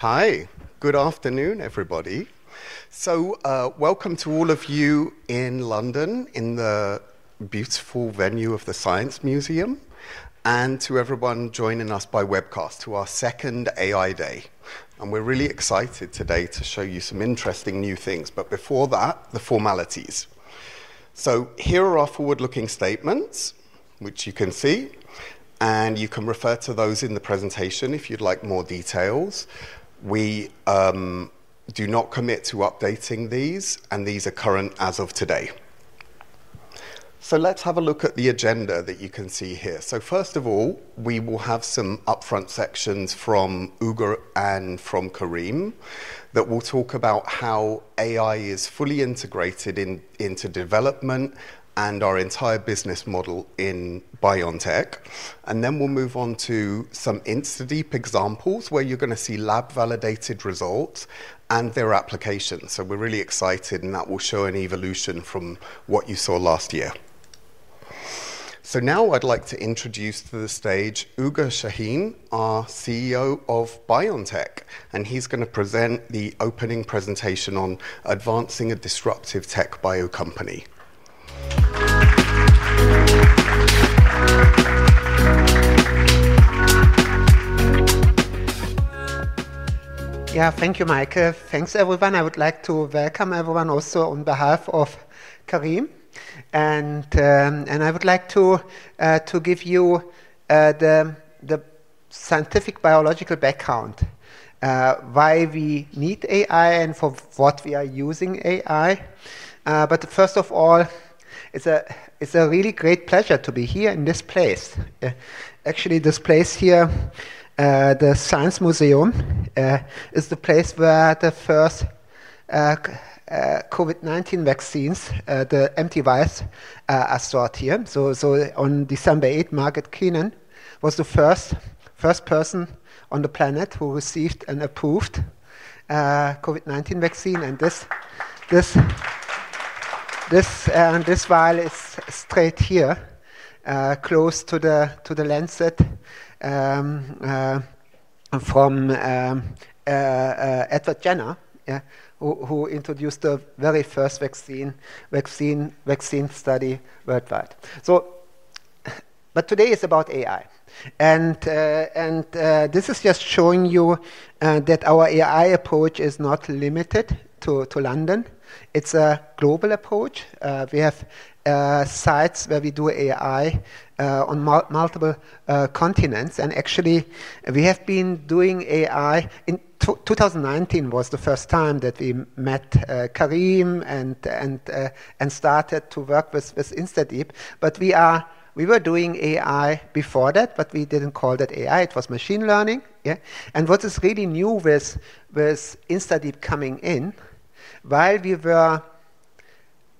Hi, good afternoon, everybody. Welcome to all of you in London in the beautiful venue of the Science Museum and to everyone joining us by webcast to our second AI Day. We're really excited today to show you some interesting new things. Before that, the formalities. Here are our forward-looking statements, which you can see, and you can refer to those in the presentation if you'd like more details. We do not commit to updating these, and these are current as of today. Let's have a look at the agenda that you can see here. First of all, we will have some upfront sections from Ugur and from Karim that will talk about how AI is fully integrated into development and our entire business model in BioNTech. We'll move on to some InstaDeep examples where you're going to see lab-validated results and their applications. We're really excited, and that will show an evolution from what you saw last year. Now I'd like to introduce to the stage Ugur Sahin, our CEO of BioNTech, and he's going to present the opening presentation on advancing a disruptive tech bio company. Yeah, thank you, Michael. Thanks, everyone. I would like to welcome everyone also on behalf of Karim. I would like to give you the scientific biological background, why we need AI and for what we are using AI. First of all, it's a really great pleasure to be here in this place. Actually, this place here, the Science Museum, is the place where the first COVID-19 vaccines, the [antivirus], are stored here. On December 8th, Margaret Keenan was the first person on the planet who received an approved COVID-19 vaccine. This file is straight here, close to the Lancet, from Edward Jenner, who introduced the very first vaccine study worldwide. Today is about AI. This is just showing you that our AI approach is not limited to London. It's a global approach. We have sites where we do AI on multiple continents. Actually, we have been doing AI in 2019, was the first time that we met Karim and started to work with InstaDeep. We were doing AI before that, but we didn't call that AI. It was machine learning. What is really new with InstaDeep coming in, while we were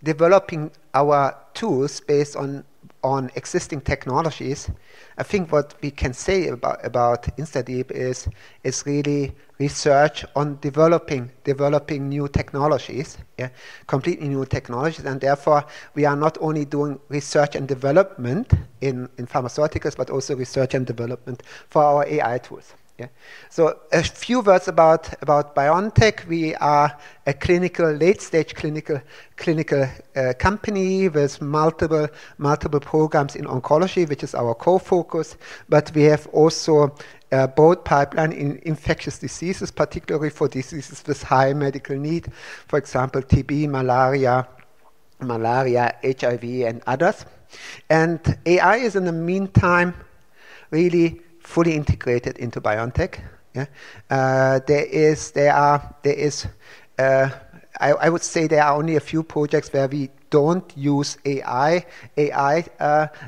developing our tools based on existing technologies, I think what we can say about InstaDeep is really research on developing new technologies, completely new technologies. Therefore, we are not only doing research and development in pharmaceuticals, but also research and development for our AI tools. A few words about BioNTech. We are a late-stage clinical company with multiple programs in oncology, which is our core focus. We have also both pipeline in infectious diseases, particularly for diseases with high medical need, for example, TB, malaria, HIV, and others. AI is, in the meantime, really fully integrated into BioNTech. There are only a few projects where we don't use AI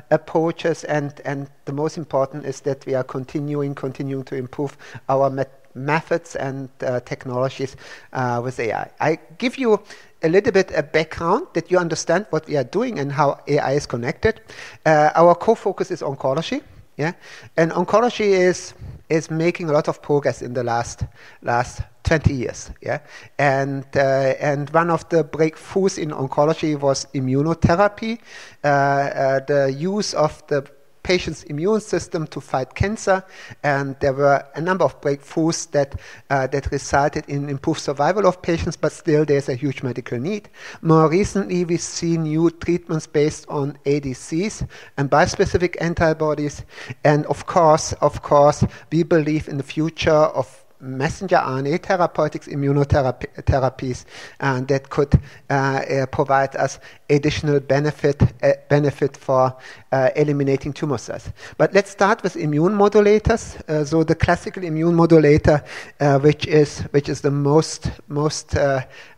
approaches. The most important is that we are continuing to improve our methods and technologies with AI. I give you a little bit of background that you understand what we are doing and how AI is connected. Our core focus is oncology. Oncology is making a lot of progress in the last 20 years. One of the breakthroughs in oncology was immunotherapy, the use of the patient's immune system to fight cancer. There were a number of breakthroughs that resulted in improved survival of patients, but still, there's a huge medical need. More recently, we see new treatments based on ADCs and bispecific antibodies. Of course, we believe in the future of messenger RNA therapeutics, immunotherapies, and that could provide us additional benefit for eliminating tumor cells. Let's start with immune modulators. The classical immune modulator, which is the most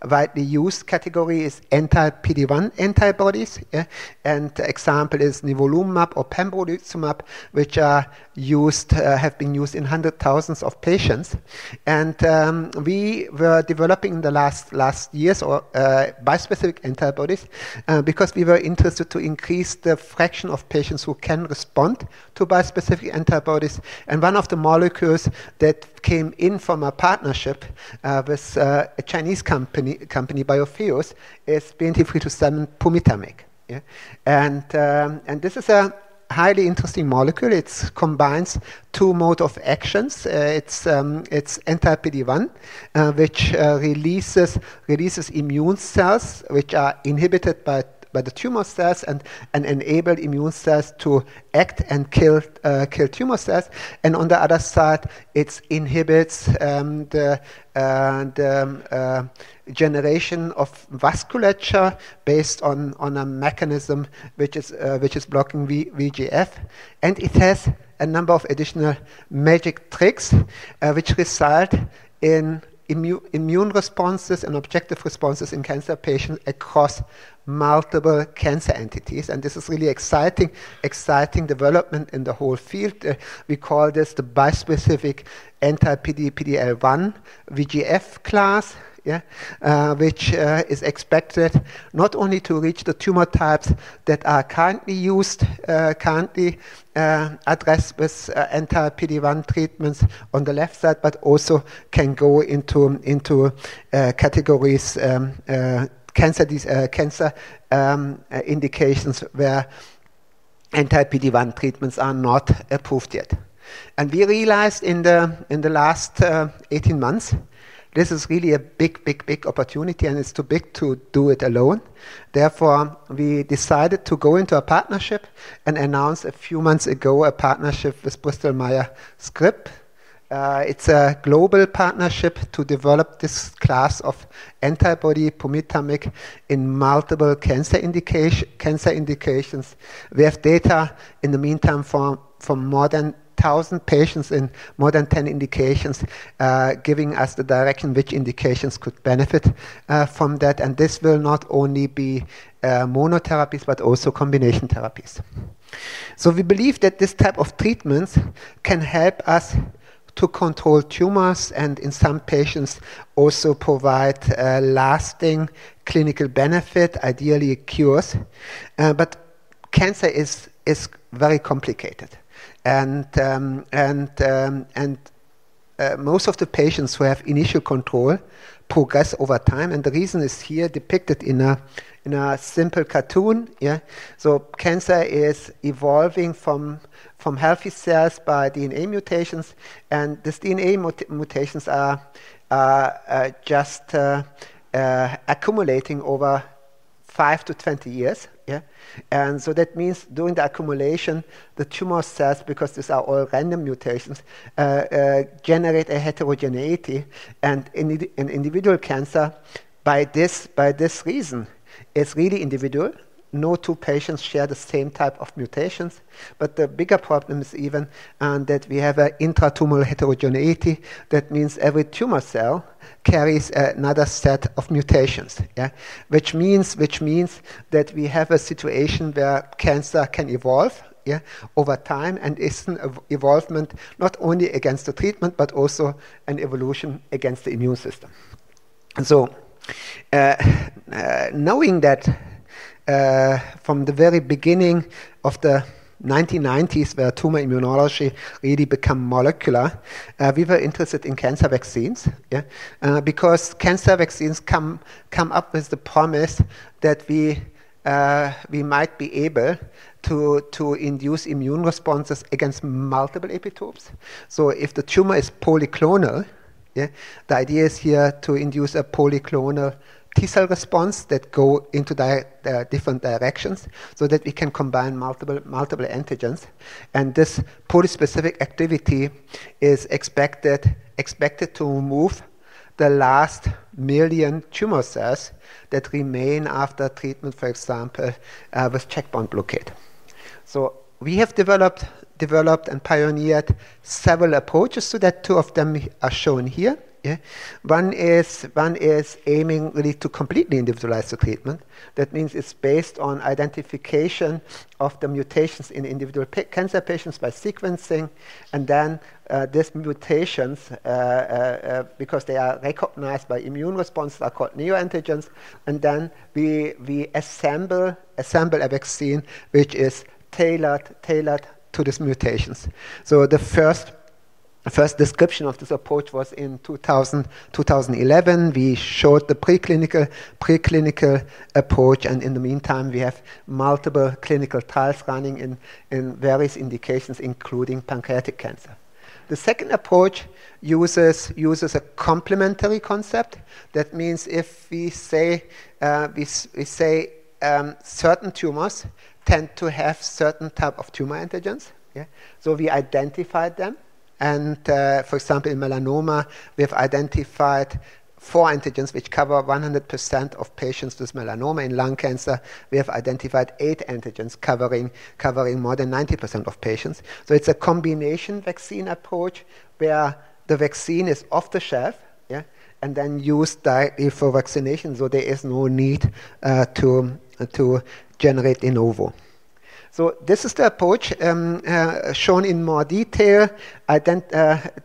widely used category, is anti-PD-1 antibodies. The example is nivolumab or pembrolizumab, which are used, have been used in hundreds of thousands of patients. We were developing in the last years bispecific antibodies because we were interested to increase the fraction of patients who can respond to bispecific antibodies. One of the molecules that came in from a partnership with a Chinese company, Biotheus, is BNT327, pumitamig. This is a highly interesting molecule. It combines two modes of action. It's anti-PD-1, which releases immune cells which are inhibited by the tumor cells and enables immune cells to act and kill tumor cells. On the other side, it inhibits the generation of vasculature based on a mechanism which is blocking VEGF. It has a number of additional magic tricks, which result in immune responses and objective responses in cancer patients across multiple cancer entities. This is a really exciting development in the whole field. We call this the bispecific anti-PD-1/VEGF class, which is expected not only to reach the tumor types that are currently addressed with anti-PD-1 treatments on the left side, but also can go into categories, cancer indications where anti-PD-1 treatments are not approved yet. We realized in the last 18 months this is really a big opportunity, and it's too big to do it alone. Therefore, we decided to go into a partnership and announced a few months ago a partnership with Bristol Myers Squibb. It's a global partnership to develop this class of antibody, pumitamig, in multiple cancer indications. We have data in the meantime from more than 1,000 patients in more than 10 indications, giving us the direction which indications could benefit from that. This will not only be monotherapies, but also combination therapies. We believe that this type of treatment can help us to control tumors and in some patients also provide lasting clinical benefit, ideally cures. Cancer is very complicated. Most of the patients who have initial control progress over time. The reason is depicted here in a simple cartoon. Cancer is evolving from healthy cells by DNA mutations. These DNA mutations are just accumulating over 5 to 20 years. That means during the accumulation, the tumor cells, because these are all random mutations, generate a heterogeneity. In individual cancer, by this reason, it's really individual. No two patients share the same type of mutations. The bigger problem is even that we have an intratumoral heterogeneity. That means every tumor cell carries another set of mutations, which means that we have a situation where cancer can evolve over time. It's an evolvement not only against the treatment, but also an evolution against the immune system. Knowing that, from the very beginning of the 1990s, where tumor immunology really became molecular, we were interested in cancer vaccines because cancer vaccines come up with the promise that we might be able to induce immune responses against multiple epitopes. If the tumor is polyclonal, the idea is here to induce a polyclonal T-cell response that goes into the different directions so that we can combine multiple antigens. This polyspecific activity is expected to remove the last million tumor cells that remain after treatment, for example, with checkpoint blockade. We have developed and pioneered several approaches to that. Two of them are shown here. One is aiming really to completely individualize the treatment. That means it's based on identification of the mutations in individual cancer patients by sequencing. These mutations, because they are recognized by immune responses, are called neoantigens. We assemble a vaccine which is tailored to these mutations. The first description of this approach was in 2011. We showed the preclinical approach. In the meantime, we have multiple clinical trials running in various indications, including pancreatic cancer. The second approach uses a complementary concept. That means if we say certain tumors tend to have certain types of tumor antigens, we identified them. For example, in melanoma, we've identified four antigens which cover 100% of patients with melanoma. In lung cancer, we have identified eight antigens covering more than 90% of patients. It's a combination vaccine approach where the vaccine is off the shelf and then used directly for vaccination. There is no need to generate de novo. This is the approach shown in more detail. I then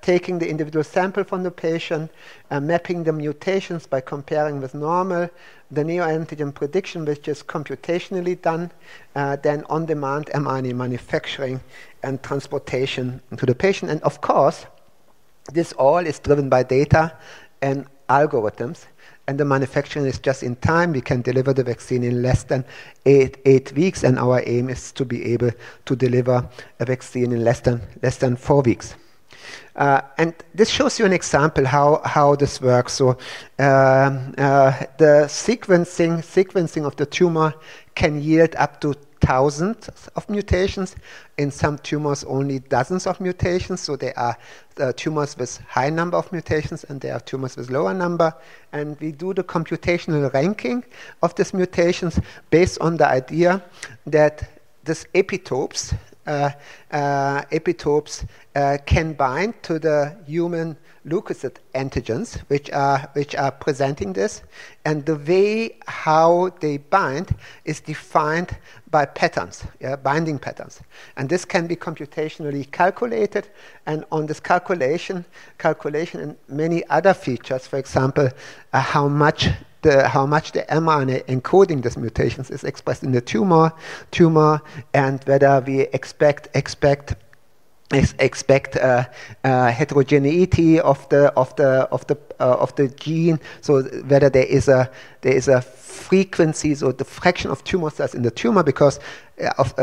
take the individual sample from the patient, mapping the mutations by comparing with normal, the neoantigens prediction, which is computationally done, then on-demand mRNA manufacturing and transportation to the patient. Of course, this all is driven by data and algorithms. The manufacturing is just in time. We can deliver the vaccine in less than eight weeks. Our aim is to be able to deliver a vaccine in less than four weeks. This shows you an example of how this works. The sequencing of the tumor can yield up to thousands of mutations. In some tumors, only dozens of mutations. There are tumors with a high number of mutations, and there are tumors with a lower number. We do the computational ranking of these mutations based on the idea that these epitopes can bind to the human leukocyte antigens, which are presenting this. The way how they bind is defined by patterns, binding patterns. This can be computationally calculated. On this calculation and many other features, for example, how much the mRNA encoding these mutations is expressed in the tumor, and whether we expect heterogeneity of the gene. Whether there is a frequency, so the fraction of tumor cells in the tumor, because of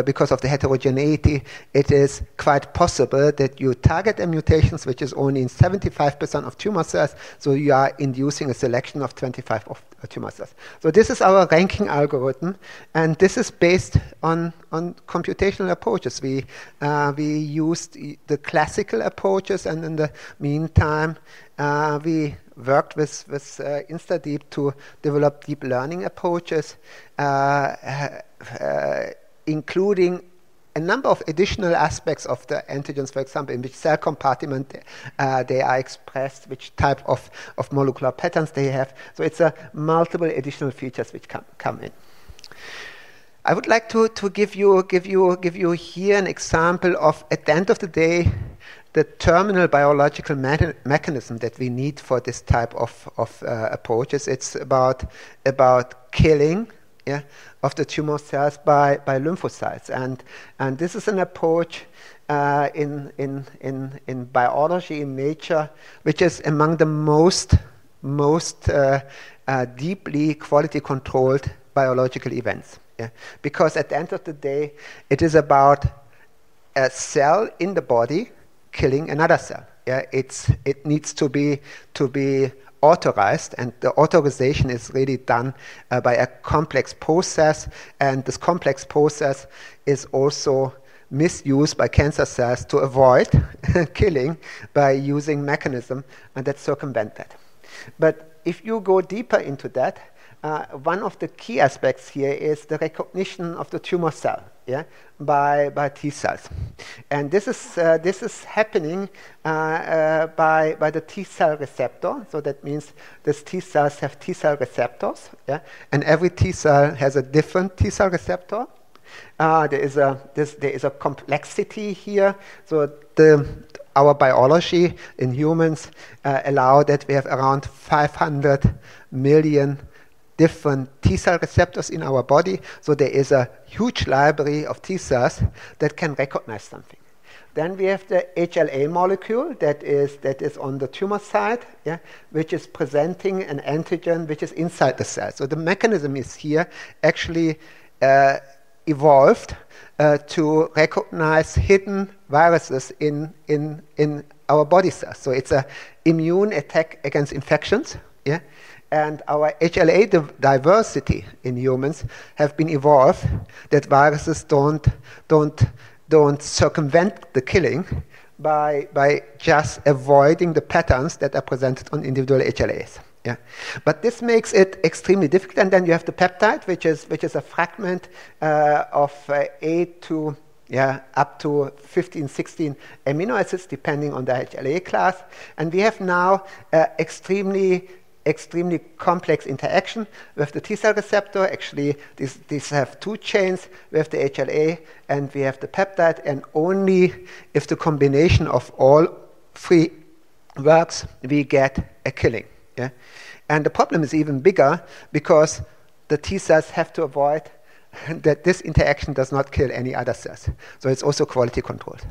the heterogeneity, it is quite possible that you target the mutations which is only in 75% of tumor cells. You are inducing a selection of 25% of tumor cells. This is our ranking algorithm. This is based on computational approaches. We used the classical approaches. In the meantime, we worked with InstaDeep to develop deep learning approaches, including a number of additional aspects of the antigens, for example, in which cell compartment they are expressed, which type of molecular patterns they have. It's multiple additional features which come in. I would like to give you here an example of, at the end of the day, the terminal biological mechanism that we need for this type of approaches. It's about killing, yeah, of the tumor cells by lymphocytes. This is an approach in biology in nature, which is among the most deeply quality-controlled biological events. Yeah. Because at the end of the day, it is about a cell in the body killing another cell. It needs to be authorized. The authorization is really done by a complex process. This complex process is also misused by cancer cells to avoid killing by using mechanisms that circumvent that. If you go deeper into that, one of the key aspects here is the recognition of the tumor cell, yeah, by T cells. This is happening by the T cell receptor. That means these T cells have T cell receptors. Yeah. Every T cell has a different T cell receptor. There is a complexity here. Our biology in humans allows that. We have around 500 million different T cell receptors in our body. There is a huge library of T cells that can recognize something. Then we have the HLA molecule that is on the tumor side, yeah, which is presenting an antigen which is inside the cell. The mechanism here actually evolved to recognize hidden viruses in our body cells. It's an immune attack against infections. Yeah. Our HLA diversity in humans has been evolved so that viruses don't circumvent the killing by just avoiding the patterns that are presented on individual HLAs. Yeah. This makes it extremely difficult. Then you have the peptide, which is a fragment of 8 to, yeah, up to 15, 16 amino acids depending on the HLA class. We have now an extremely complex interaction with the T cell receptor. Actually, these have two chains. We have the HLA, and we have the peptide. Only if the combination of all three works, we get a killing. Yeah. The problem is even bigger because the T cells have to avoid that this interaction does not kill any other cells. It's also quality controlled.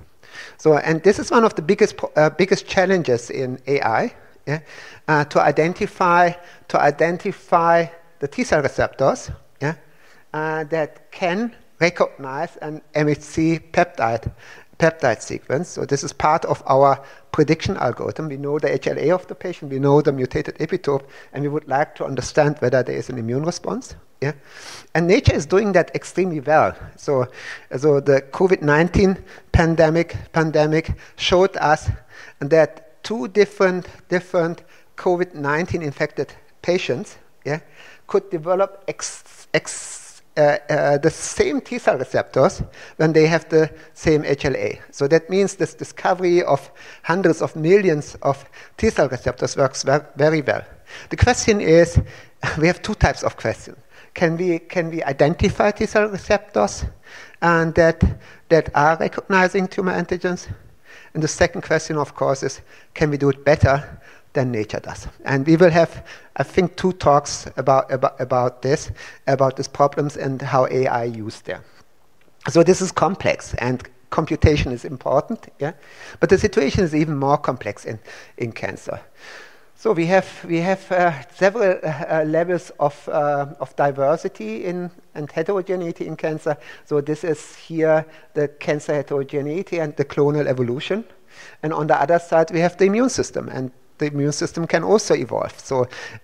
This is one of the biggest challenges in AI, to identify the T cell receptors that can recognize an MHC peptide sequence. This is part of our prediction algorithm. We know the HLA of the patient. We know the mutated epitope. We would like to understand whether there is an immune response. Nature is doing that extremely well. The COVID-19 pandemic showed us that two different COVID-19 infected patients could develop the same T cell receptors when they have the same HLA. That means this discovery of hundreds of millions of T cell receptors works very well. The question is, we have two types of questions. Can we identify T cell receptors that are recognizing tumor antigens? The second question, of course, is, can we do it better than nature does? We will have, I think, two talks about this, about these problems and how AI is used there. This is complex, and computation is important. The situation is even more complex in cancer. We have several levels of diversity and heterogeneity in cancer. This is the cancer heterogeneity and the clonal evolution. On the other side, we have the immune system, and the immune system can also evolve.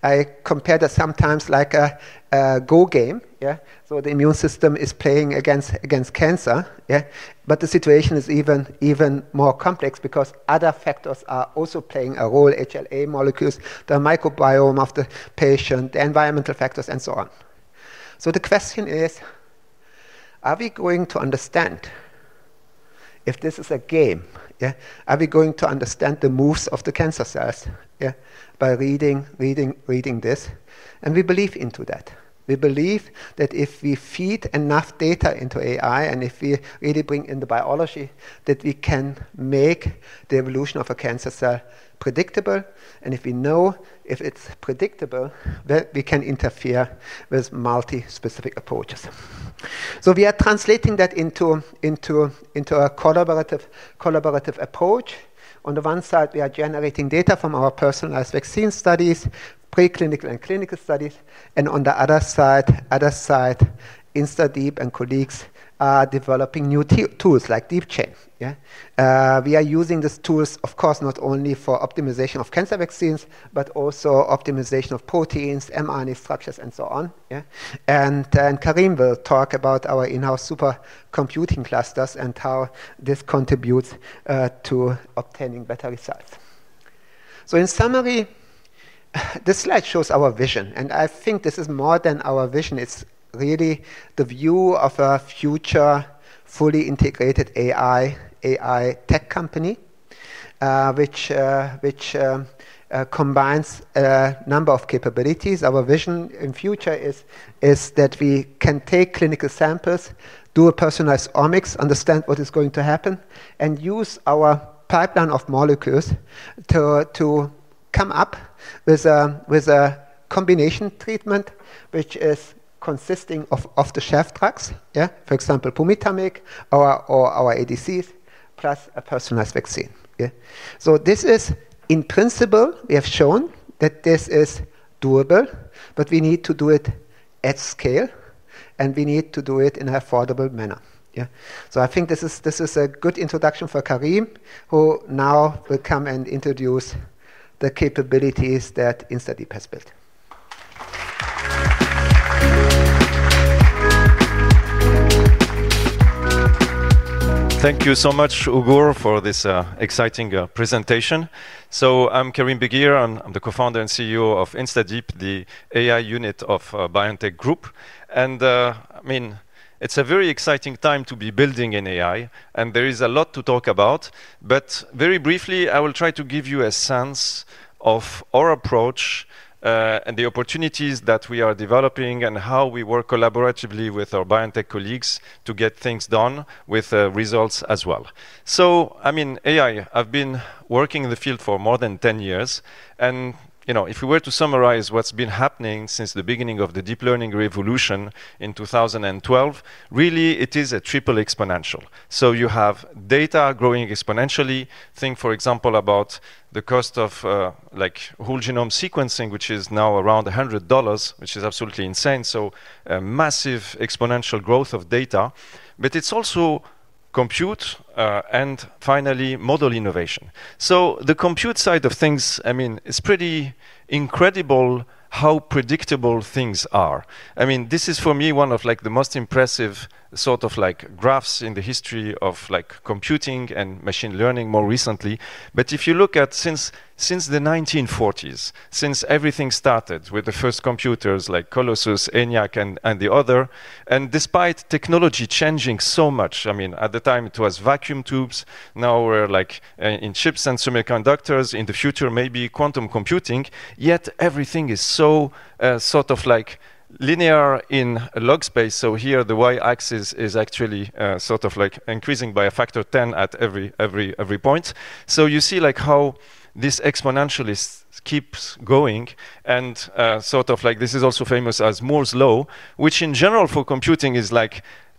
I compare that sometimes like a Go game. The immune system is playing against cancer. The situation is even more complex because other factors are also playing a role: HLA molecules, the microbiome of the patient, the environmental factors, and so on. The question is, are we going to understand if this is a game? Are we going to understand the moves of the cancer cells by reading this? We believe in that. We believe that if we feed enough data into AI, and if we really bring in the biology, we can make the evolution of a cancer cell predictable. If we know if it's predictable, then we can interfere with multi-specific approaches. We are translating that into a collaborative approach. On the one side, we are generating data from our personalized vaccine studies, preclinical and clinical studies. On the other side, InstaDeep and colleagues are developing new tools like DeepChain. We are using these tools, of course, not only for optimization of cancer vaccines, but also optimization of proteins, mRNA structures, and so on. Karim will talk about our in-house supercomputing clusters and how this contributes to obtaining better results. In summary, this slide shows our vision. I think this is more than our vision. It's really the view of a future fully integrated AI, AI tech company, which combines a number of capabilities. Our vision in the future is that we can take clinical samples, do a personalized omics, understand what is going to happen, and use our pipeline of molecules to come up with a combination treatment, which is consisting of off-the-shelf drugs. For example, pumitamig or our ADCs plus a personalized vaccine. In principle, we have shown that this is doable, but we need to do it at scale, and we need to do it in an affordable manner. I think this is a good introduction for Karim, who now will come and introduce the capabilities that InstaDeep has built. Thank you so much, Ugur, for this exciting presentation. I'm Karim Beguir, and I'm the Co-Founder and CEO of InstaDeep, the AI unit of BioNTech Group. It's a very exciting time to be building in AI, and there is a lot to talk about. Very briefly, I will try to give you a sense of our approach and the opportunities that we are developing and how we work collaboratively with our BioNTech colleagues to get things done with results as well. AI, I've been working in the field for more than 10 years. If we were to summarize what's been happening since the beginning of the deep learning revolution in 2012, really, it is a triple exponential. You have data growing exponentially. Think, for example, about the cost of whole genome sequencing, which is now around $100, which is absolutely insane. Massive exponential growth of data. It's also compute, and finally, model innovation. The compute side of things, it's pretty incredible how predictable things are. This is, for me, one of the most impressive graphs in the history of computing and machine learning more recently. If you look at since the 1940s, since everything started with the first computers like Colossus, ENIAC, and the other, and despite technology changing so much, at the time, it was vacuum tubes. Now we're in chips and semiconductors. In the future, maybe quantum computing. Yet everything is so linear in log space. Here, the y-axis is actually increasing by a factor 10 at every point. You see how this exponentially keeps going. This is also famous as Moore's law, which in general for computing is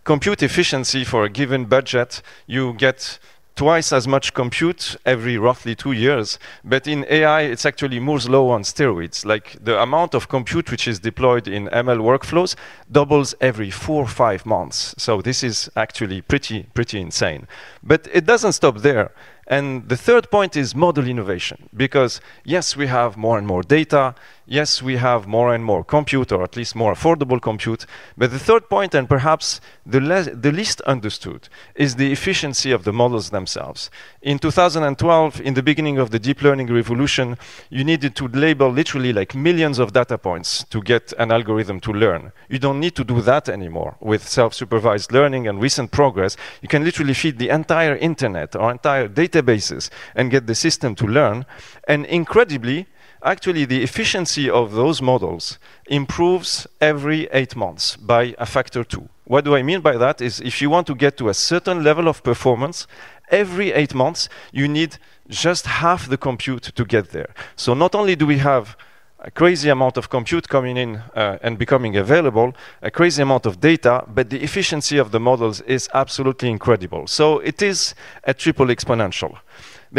compute efficiency for a given budget. You get twice as much compute every roughly two years. In AI, it's actually Moore's law on steroids. The amount of compute which is deployed in ML workflows doubles every four or five months. This is actually pretty insane. It doesn't stop there. The third point is model innovation because, yes, we have more and more data. Yes, we have more and more compute, or at least more affordable compute. The third point, and perhaps the least understood, is the efficiency of the models themselves. In 2012, in the beginning of the deep learning revolution, you needed to label literally millions of data points to get an algorithm to learn. You don't need to do that anymore with self-supervised learning and recent progress. You can literally feed the entire internet or entire databases and get the system to learn. Incredibly, actually, the efficiency of those models improves every eight months by a factor of two. What do I mean by that? If you want to get to a certain level of performance, every eight months you need just half the compute to get there. Not only do we have a crazy amount of compute coming in and becoming available, a crazy amount of data, but the efficiency of the models is absolutely incredible. It is a triple exponential.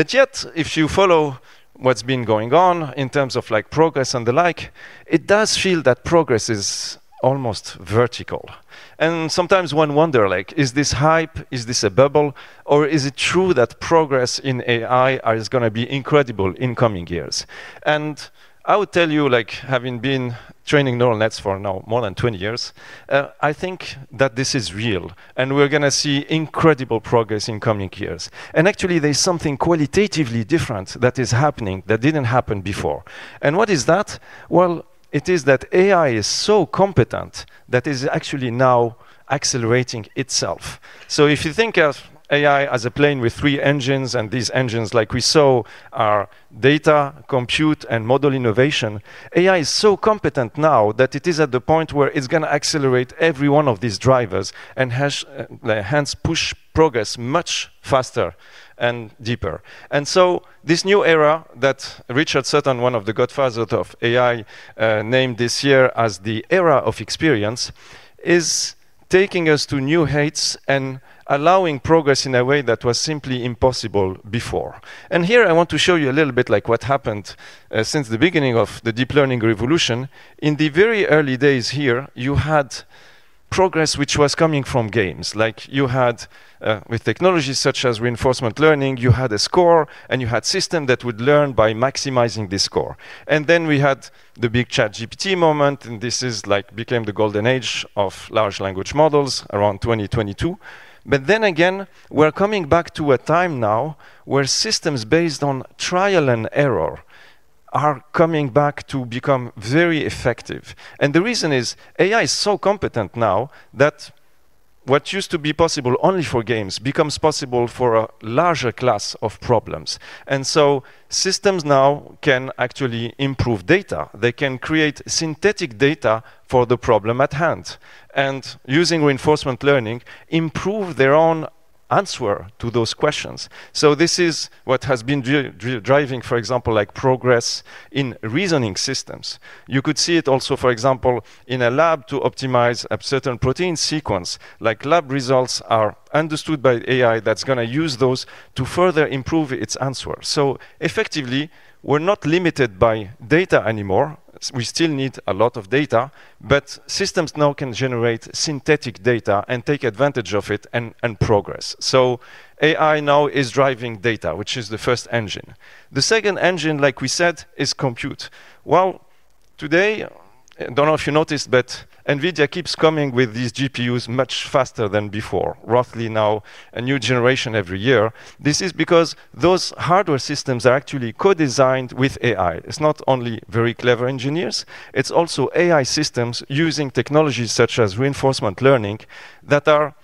Yet, if you follow what's been going on in terms of progress and the like, it does feel that progress is almost vertical. Sometimes one wonders, is this hype? Is this a bubble? Or is it true that progress in AI is going to be incredible in coming years? I would tell you, like having been training neural nets for now more than 20 years, I think that this is real. We're going to see incredible progress in coming years. Actually, there's something qualitatively different that is happening that didn't happen before. What is that? It is that AI is so competent that it is actually now accelerating itself. If you think of AI as a plane with three engines, and these engines, like we saw, are data, compute, and model innovation, AI is so competent now that it is at the point where it's going to accelerate every one of these drivers and hence push progress much faster and deeper. This new era that Richard Sutton, one of the godfathers of AI, named this year as the era of experience, is taking us to new heights and allowing progress in a way that was simply impossible before. Here, I want to show you a little bit like what happened since the beginning of the deep learning revolution. In the very early days here, you had progress which was coming from games. You had, with technologies such as reinforcement learning, a score, and you had a system that would learn by maximizing this score. Then we had the big ChatGPT moment. This became the golden age of large language models around 2022. Again, we're coming back to a time now where systems based on trial and error are coming back to become very effective. The reason is AI is so competent now that what used to be possible only for games becomes possible for a larger class of problems. Systems now can actually improve data. They can create synthetic data for the problem at hand and, using reinforcement learning, improve their own answer to those questions. This is what has been driving, for example, progress in reasoning systems. You could see it also, for example, in a lab to optimize a certain protein sequence. Lab results are understood by AI that's going to use those to further improve its answer. Effectively, we're not limited by data anymore. We still need a lot of data, but systems now can generate synthetic data and take advantage of it and progress. AI now is driving data, which is the first engine. The second engine, like we said, is compute. I don't know if you noticed, but NVIDIA keeps coming with these GPUs much faster than before, roughly now a new generation every year. This is because those hardware systems are actually co-designed with AI. It's not only very clever engineers. It's also AI systems using technologies such as reinforcement learning that are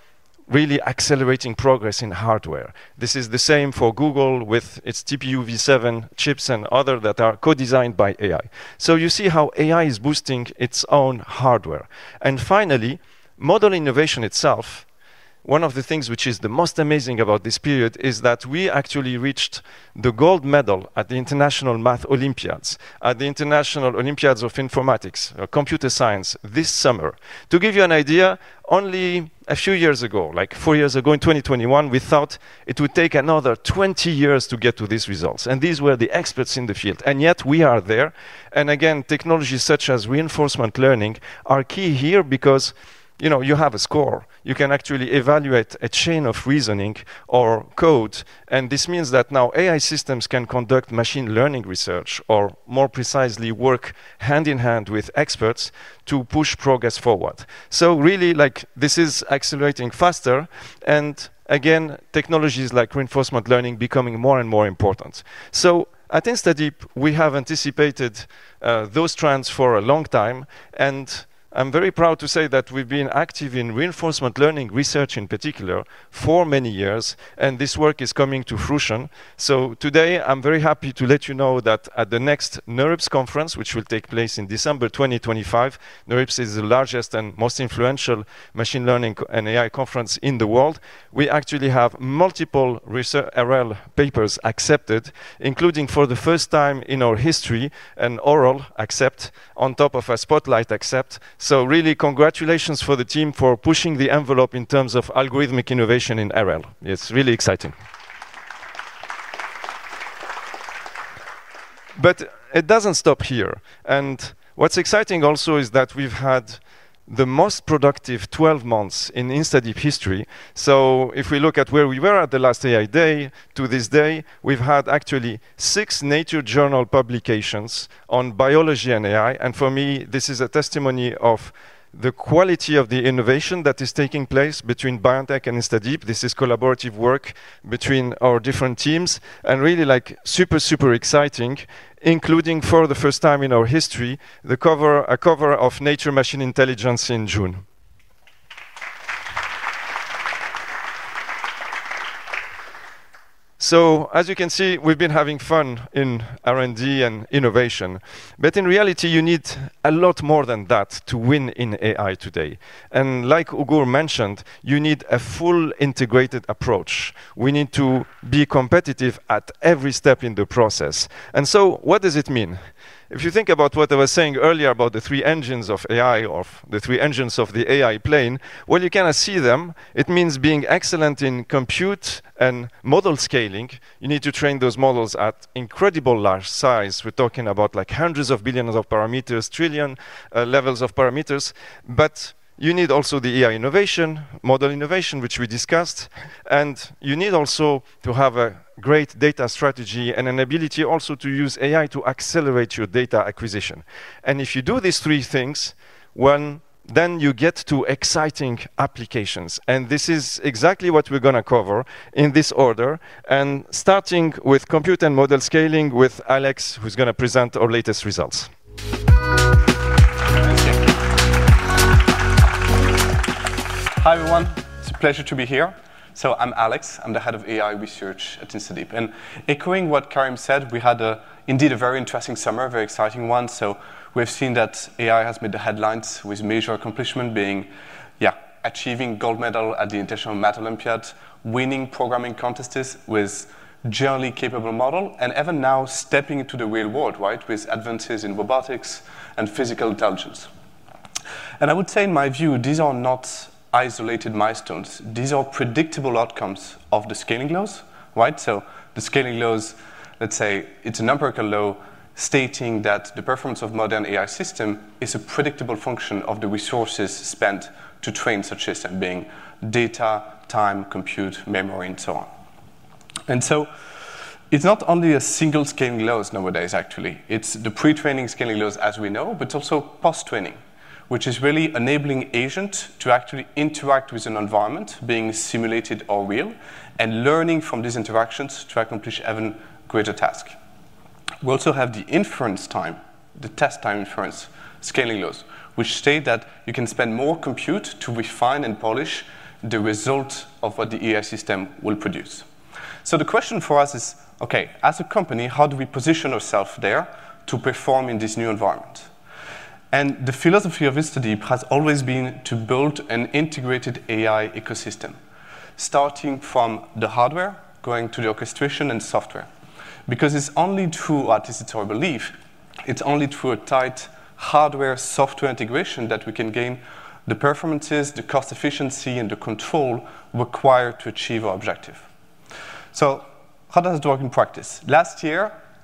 really accelerating progress in hardware. This is the same for Google with its TPU V7 chips and others that are co-designed by AI. You see how AI is boosting its own hardware. Finally, model innovation itself, one of the things which is the most amazing about this period is that we actually reached the gold medal at the International Math Olympiads, at the International Olympiads of Informatics, Computer Science this summer. To give you an idea, only a few years ago, like four years ago in 2021, we thought it would take another 20 years to get to these results. These were the experts in the field. Yet we are there. Again, technologies such as reinforcement learning are key here because you have a score. You can actually evaluate a chain of reasoning or code. This means that now AI systems can conduct machine learning research, or more precisely, work hand in hand with experts to push progress forward. This is accelerating faster. Again, technologies like reinforcement learning are becoming more and more important. At InstaDeep, we have anticipated those trends for a long time. I'm very proud to say that we've been active in reinforcement learning research in particular for many years. This work is coming to fruition. Today, I'm very happy to let you know that at the next [NeurIPS] conference, which will take place in December 2025, [NeurIPS] is the largest and most influential machine learning and AI conference in the world. We actually have multiple RL papers accepted, including for the first time in our history, an oral accept on top of a spotlight accept. Really, congratulations for the team for pushing the envelope in terms of algorithmic innovation in RL. It's really exciting. It doesn't stop here. What's exciting also is that we've had the most productive 12 months in InstaDeep history. If we look at where we were at the last AI Day to this day, we've had actually six Nature Journal publications on biology and AI. For me, this is a testimony of the quality of the innovation that is taking place between BioNTech and InstaDeep. This is collaborative work between our different teams. Really, like super, super exciting, including for the first time in our history, a cover of Nature Machine Intelligence in June. As you can see, we've been having fun in R&D and innovation. In reality, you need a lot more than that to win in AI today. Like Ugur mentioned, you need a full integrated approach. We need to be competitive at every step in the process. What does it mean? If you think about what I was saying earlier about the three engines of AI or the three engines of the AI plane, you kind of see them. It means being excellent in compute and model scaling. You need to train those models at incredible large size. We're talking about like hundreds of billions of parameters, trillion levels of parameters. You need also the AI innovation, model innovation, which we discussed. You need also to have a great data strategy and an ability also to use AI to accelerate your data acquisition. If you do these three things, you get to exciting applications. This is exactly what we're going to cover in this order. Starting with compute and model scaling with Alex, who's going to present our latest results. Please take. Hi everyone. It's a pleasure to be here. I'm Alex. I'm the Head of AI Research at InstaDeep. Echoing what Karim said, we had indeed a very interesting summer, a very exciting one. We've seen that AI has made the headlines with major accomplishments, achieving gold medal at the International Math Olympiads, winning programming contests with a generally capable model, and even now stepping into the real world with advances in robotics and physical intelligence. I would say in my view, these are not isolated milestones. These are predictable outcomes of the scaling laws. The scaling laws, let's say, are a numerical law stating that the performance of a modern AI system is a predictable function of the resources spent to train such systems, being data, time, compute, memory, and so on. It's not only a single scaling law nowadays, actually. There are the pre-training scaling laws, as we know, but also post-training, which is really enabling agents to actually interact with an environment, being simulated or real, and learning from these interactions to accomplish even greater tasks. We also have the test time inference scaling laws, which state that you can spend more compute to refine and polish the result of what the AI system will produce. The question for us is, as a company, how do we position ourselves there to perform in this new environment? The philosophy of InstaDeep has always been to build an integrated AI ecosystem, starting from the hardware, going to the orchestration and software. It's our belief that it's only through a tight hardware-software integration that we can gain the performances, the cost efficiency, and the control required to achieve our objective. How does it work in practice?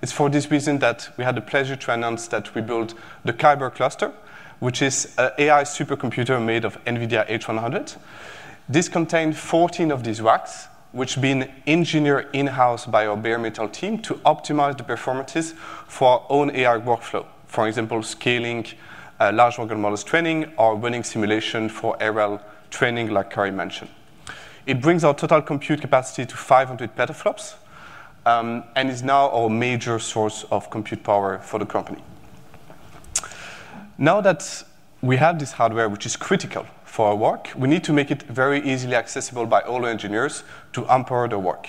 Last year, for this reason, we had the pleasure to announce that we built the Kyber cluster, which is an AI supercomputer made of NVIDIA H100. This contained 14 of these racks, which have been engineered in-house by our bare metal team to optimize the performances for our own AI workflow. For example, scaling large organ models training or running simulation for RL training, like Karim mentioned. It brings our total compute capacity to 500 petaflops and is now our major source of compute power for the company. Now that we have this hardware, which is critical for our work, we need to make it very easily accessible by all engineers to umpire the work.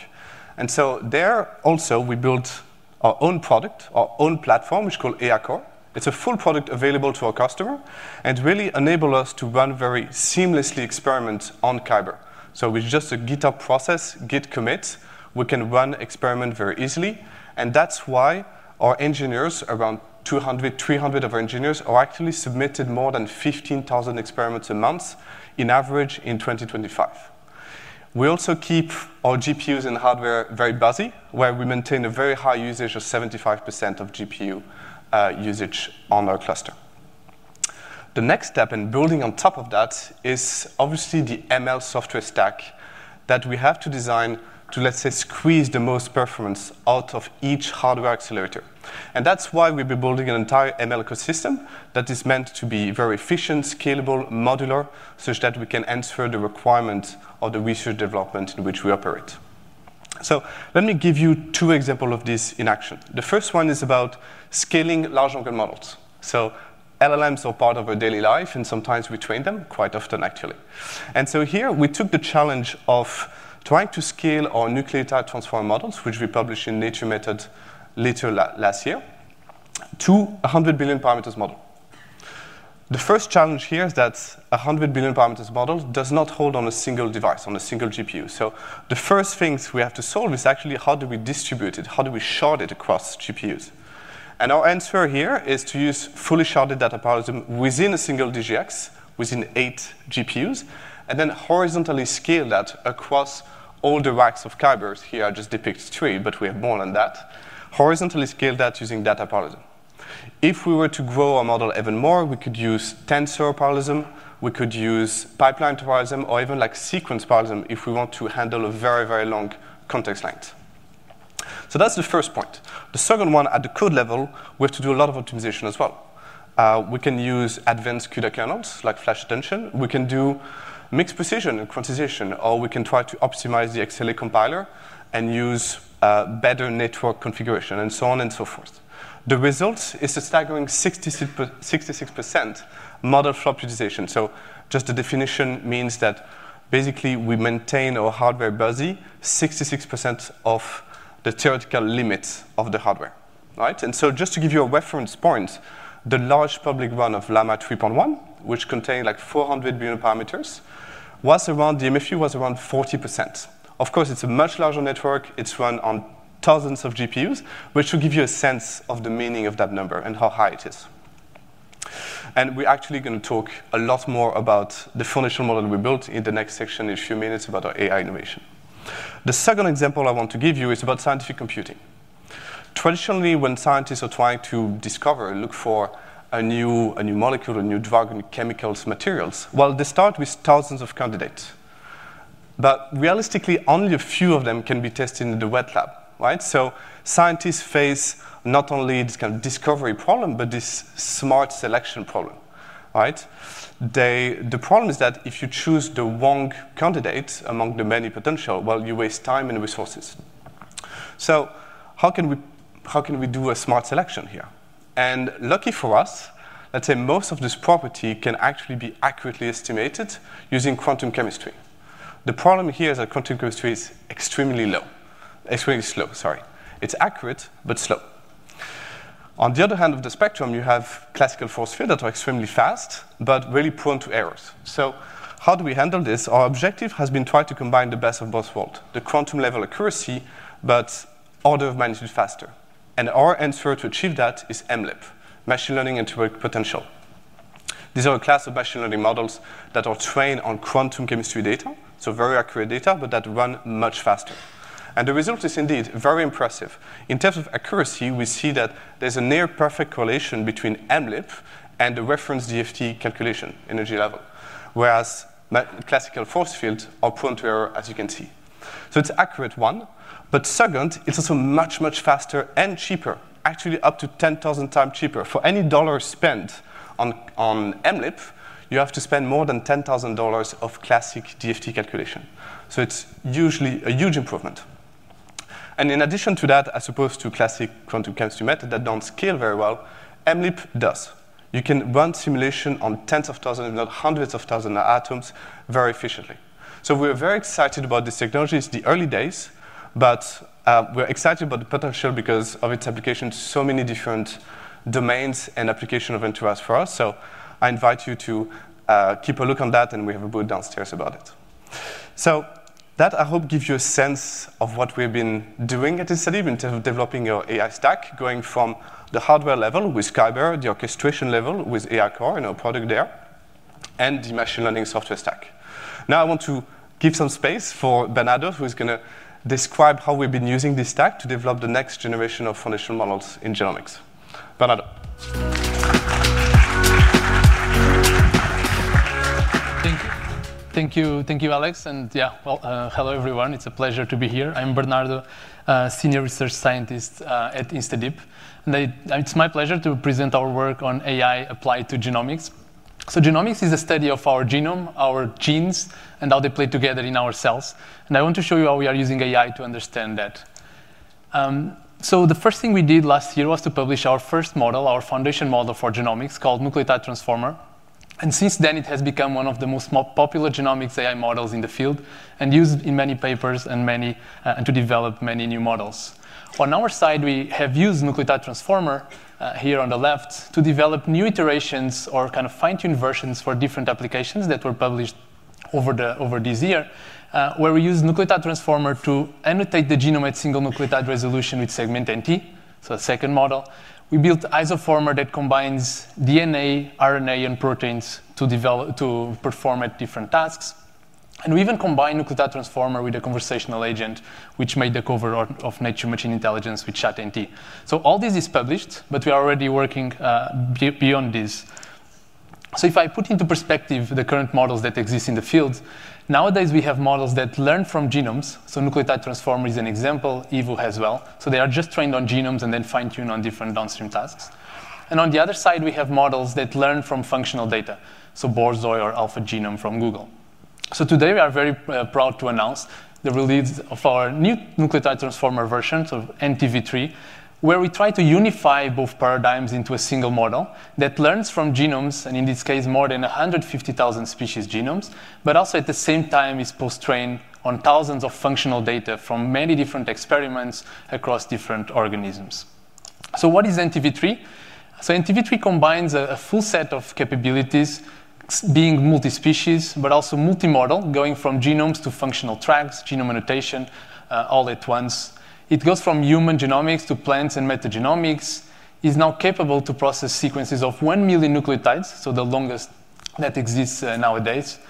There also, we built our own product, our own platform, which is called Alchor. It's a full product available to our customer and really enables us to run very seamlessly experiments on Kyber. With just a GitHub process, Git commits, we can run experiments very easily. That's why our engineers, around 200, 300 of our engineers, are actually submitting more than 15,000 experiments a month on average in 2025. We also keep our GPUs and hardware very busy, where we maintain a very high usage of 75% of GPU usage on our cluster. The next step in building on top of that is obviously the ML software stack that we have to design to, let's say, squeeze the most performance out of each hardware accelerator. That's why we've been building an entire ML ecosystem that is meant to be very efficient, scalable, modular, such that we can answer the requirements of the research development in which we operate. Let me give you two examples of this in action. The first one is about scaling large organ models. LLMs are part of our daily life, and sometimes we train them, quite often actually. Here, we took the challenge of trying to scale our nucleotide transform models, which we published in Nature Methods later last year, to a 100 billion parameters model. The first challenge here is that a 100 billion parameters model does not hold on a single device, on a single GPU. The first thing we have to solve is actually how do we distribute it? How do we shard it across GPUs? Our answer here is to use fully sharded data parallelism within a single DGX, within eight GPUs, and then horizontally scale that across all the racks of Kyber. Here I just depict three, but we have more than that. Horizontally scale that using data parallelism. If we were to grow our model even more, we could use tensor parallelism. We could use pipeline parallelism or even like sequence parallelism if we want to handle a very, very long context length. That's the first point. The second one, at the code level, we have to do a lot of optimization as well. We can use advanced CUDA kernels like Flash Attention. We can do mixed precision quantization, or we can try to optimize the XLA compiler and use a better network configuration and so on and so forth. The result is a staggering 66% model flop utilization. Just the definition means that basically we maintain our hardware busy, 66% of the theoretical limits of the hardware. Right. Just to give you a reference point, the large public run of Llama 3.1, which contains like 400 billion parameters, the MFU was around 40%. Of course, it's a much larger network. It's run on thousands of GPUs, which will give you a sense of the meaning of that number and how high it is. We're actually going to talk a lot more about the foundational model we built in the next section in a few minutes about our AI innovation. The second example I want to give you is about scientific computing. Traditionally, when scientists are trying to discover, look for a new molecule, a new drug, and chemicals, materials, they start with thousands of candidates. Realistically, only a few of them can be tested in the wet lab. Right. Scientists face not only this kind of discovery problem, but this smart selection problem. The problem is that if you choose the wrong candidate among the many potential, you waste time and resources. How can we do a smart selection here? Lucky for us, most of this property can actually be accurately estimated using quantum chemistry. The problem here is that quantum chemistry is extremely slow. It's accurate, but slow. On the other hand of the spectrum, you have classical force fields that are extremely fast, but really prone to errors. How do we handle this? Our objective has been trying to combine the best of both worlds: the quantum level accuracy, but order of magnitude faster. Our answer to achieve that is MLIP, machine learning interatomic potential. These are a class of machine learning models that are trained on quantum chemistry data, so very accurate data, but that run much faster. The result is indeed very impressive. In terms of accuracy, we see that there's a near perfect correlation between MLIP and the reference DFT calculation, energy level, whereas classical force fields are prone to error, as you can see. It's an accurate one. Second, it's also much, much faster and cheaper, actually up to 10,000x cheaper. For any dollar spent on MLIP, you have to spend more than $10,000 of classic DFT calculation. It's usually a huge improvement. In addition to that, as opposed to classic quantum chemistry methods that don't scale very well, MLIP does. You can run simulations on tens of thousands, not hundreds of thousands of atoms very efficiently. We're very excited about this technology. It's the early days, but we're excited about the potential because of its application in so many different domains and applications of interest for us. I invite you to keep a look on that, and we have a booth downstairs about it. I hope that gives you a sense of what we've been doing at InstaDeep in terms of developing your AI stack, going from the hardware level with Kyber, the orchestration level with AIchor in our product there, and the machine learning software stack. Now I want to give some space for Bernardo, who is going to describe how we've been using this stack to develop the next generation of foundational genomics models. Bernardo. Thank you. Thank you, thank you, Alex. Hello everyone. It's a pleasure to be here. I'm Bernardo, a Senior Research Scientist at InstaDeep. It's my pleasure to present our work on AI applied to genomics. Genomics is a study of our genome, our genes, and how they play together in our cells. I want to show you how we are using AI to understand that. The first thing we did last year was to publish our first model, our foundation model for genomics called Nucleotide Transformer. Since then, it has become one of the most popular genomics AI models in the field and is used in many papers and to develop many new models. On our side, we have used Nucleotide Transformer here on the left to develop new iterations or kind of fine-tuned versions for different applications that were published over this year, where we used Nucleotide Transformer to annotate the genome at single nucleotide resolution with SegmentNT, a second model. We built Isoformer that combines DNA, RNA, and proteins to perform at different tasks. We even combined Nucleotide Transformer with a conversational agent, which made the cover of Nature Machine Intelligence with ChatNT. All this is published, but we are already working beyond this. If I put into perspective the current models that exist in the field, nowadays we have models that learn from genomes. Nucleotide Transformer is an example. EVU as well. They are just trained on genomes and then fine-tuned on different downstream tasks. On the other side, we have models that learn from functional data, like Borzoi or AlphaGenome from Google. Today we are very proud to announce the release of our new Nucleotide Transformer version, NTv3, where we try to unify both paradigms into a single model that learns from genomes, in this case, more than 150,000 species genomes, but also at the same time is post-trained on thousands of functional data from many different experiments across different organisms. What is NTv3? NTv3 combines a full set of capabilities, being multi-species, but also multimodal, going from genomes to functional tracks, genome annotation, all at once. It goes from human genomics to plants and metagenomics. It's now capable to process sequences of 1 million nucleotides, the longest that exists nowadays.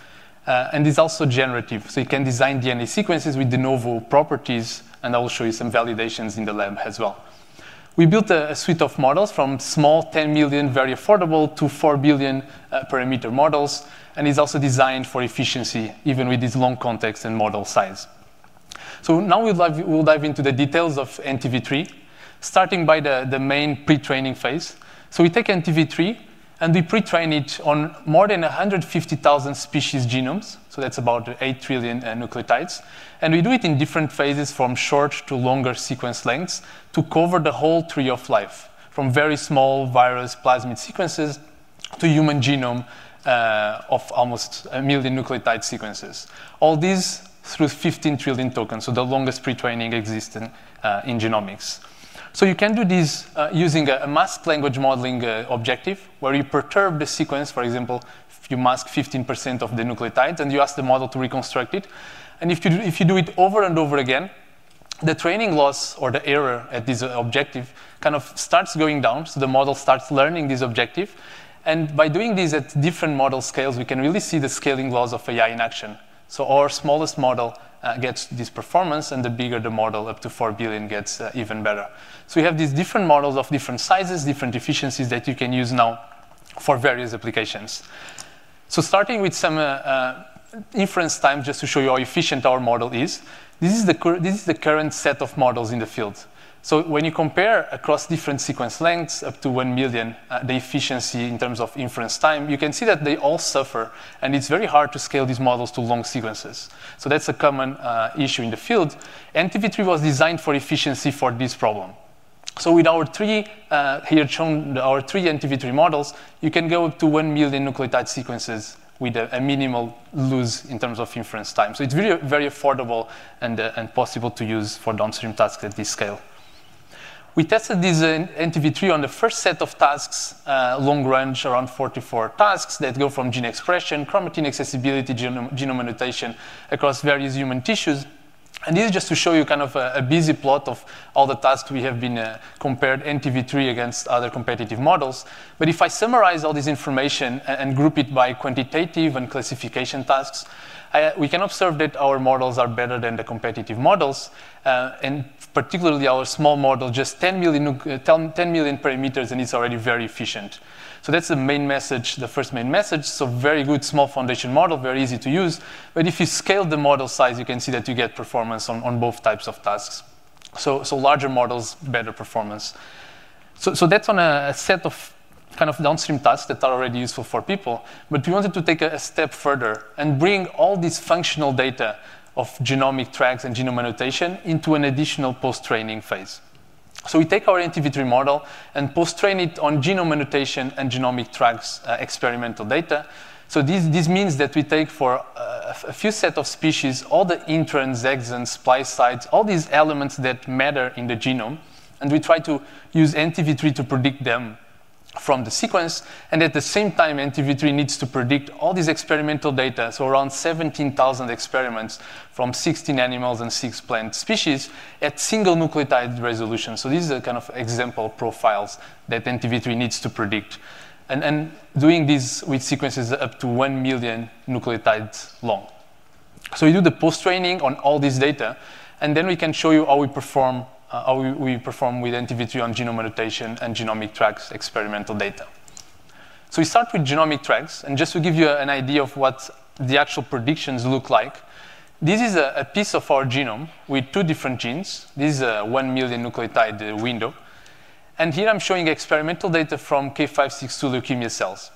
It's also generative. It can design DNA sequences with de novo properties, and I will show you some validations in the lab as well. We built a suite of models from small 10 million, very affordable, to 4 billion parameter models, and it's also designed for efficiency, even with this long context and model size. Now we'll dive into the details of NTv3, starting by the main pre-training phase. We take[NTv3, and we pre-train it on more than 150,000 species genomes. That's about 8 trillion nucleotides. We do it in different phases from short to longer sequence lengths to cover the whole tree of life, from very small virus plasmid sequences to human genome, of almost a million nucleotide sequences. All these through 15 trillion tokens, the longest pre-training existing in genomics. You can do this using a masked language modeling objective where you perturb the sequence. For example, if you mask 15% of the nucleotides, and you ask the model to reconstruct it. If you do it over and over again, the training loss or the error at this objective kind of starts going down. The model starts learning this objective. By doing this at different model scales, we can really see the scaling laws of AI in action. Our smallest model gets this performance, and the bigger the model, up to 4 billion, gets even better. We have these different models of different sizes, different efficiencies that you can use now for various applications. Starting with some inference time, just to show you how efficient our model is, this is the current set of models in the field. When you compare across different sequence lengths up to 1 million, the efficiency in terms of inference time, you can see that they all suffer, and it's very hard to scale these models to long sequences. That's a common issue in the field. NTv3 was designed for efficiency for this problem. With our three here, our three NTv3 models, you can go up to 1 million nucleotide sequences with a minimal loss in terms of inference time. It's very, very affordable and possible to use for downstream tasks at this scale. We tested this NTv3] on the first set of tasks, a long range, around 44 tasks that go from gene expression, chromatin accessibility, genome annotation across various human tissues. This is just to show you kind of a busy plot of all the tasks we have been compared NTv3 against other competitive models. If I summarize all this information and group it by quantitative and classification tasks, we can observe that our models are better than the competitive models, and particularly our small model, just 10 million parameters, and it's already very efficient. That's the main message, the first main message. Very good small foundation model, very easy to use. If you scale the model size, you can see that you get performance on both types of tasks. Larger models, better performance. That's on a set of kind of downstream tasks that are already useful for people. We wanted to take a step further and bring all this functional data of genomic tracks and genome annotation into an additional post-training phase. We take our NTv3 model and post-train it on genome annotation and genomic tracks experimental data. This means that we take for a few sets of species, all the introns, exons, splice sites, all these elements that matter in the genome. We try to use NTv3 to predict them from the sequence. At the same time, NTv3 needs to predict all this experimental data, so around 17,000 experiments from 16 animals and six plant species at single nucleotide resolution. These are kind of example profiles that NTv3 needs to predict, and doing this with sequences up to 1 million nucleotides long. We do the post-training on all this data, and then we can show you how we perform with NTv3 on genome annotation and genomic tracks experimental data. We start with genomic tracks. Just to give you an idea of what the actual predictions look like, this is a piece of our genome with two different genes. This is a 1 million nucleotide window. Here I'm showing experimental data from K562 leukemia cells.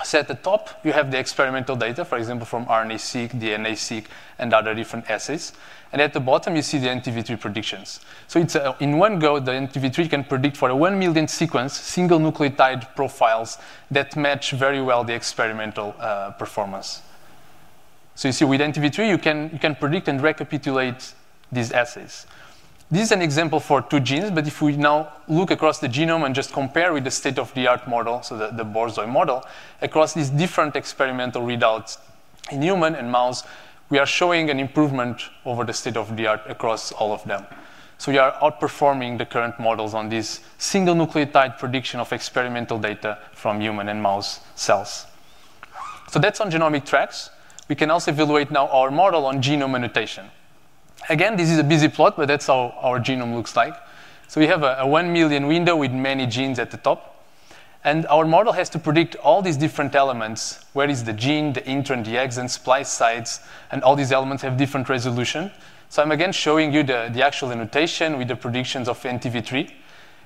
At the top, you have the experimental data, for example, from RNA-seq, DNA-seq, and other different assays. At the bottom, you see the NTv3 predictions. In one go, the NTv3 can predict for a 1 million sequence, single nucleotide profiles that match very well the experimental performance. You see with NTv3, you can predict and recapitulate these assays. This is an example for two genes. If we now look across the genome and just compare with the state-of-the-art model, the Borzoi model, across these different experimental readouts in human and mouse, we are showing an improvement over the state-of-the-art across all of them. We are outperforming the current models on this single nucleotide prediction of experimental data from human and mouse cells. That's on genomic tracks. We can also evaluate now our model on genome annotation. Again, this is a busy plot, but that's how our genome looks like. We have a 1 million window with many genes at the top, and our model has to predict all these different elements: where is the gene, the intron, the exon, splice sites, and all these elements have different resolutions. I'm again showing you the actual annotation with the predictions of NTv3.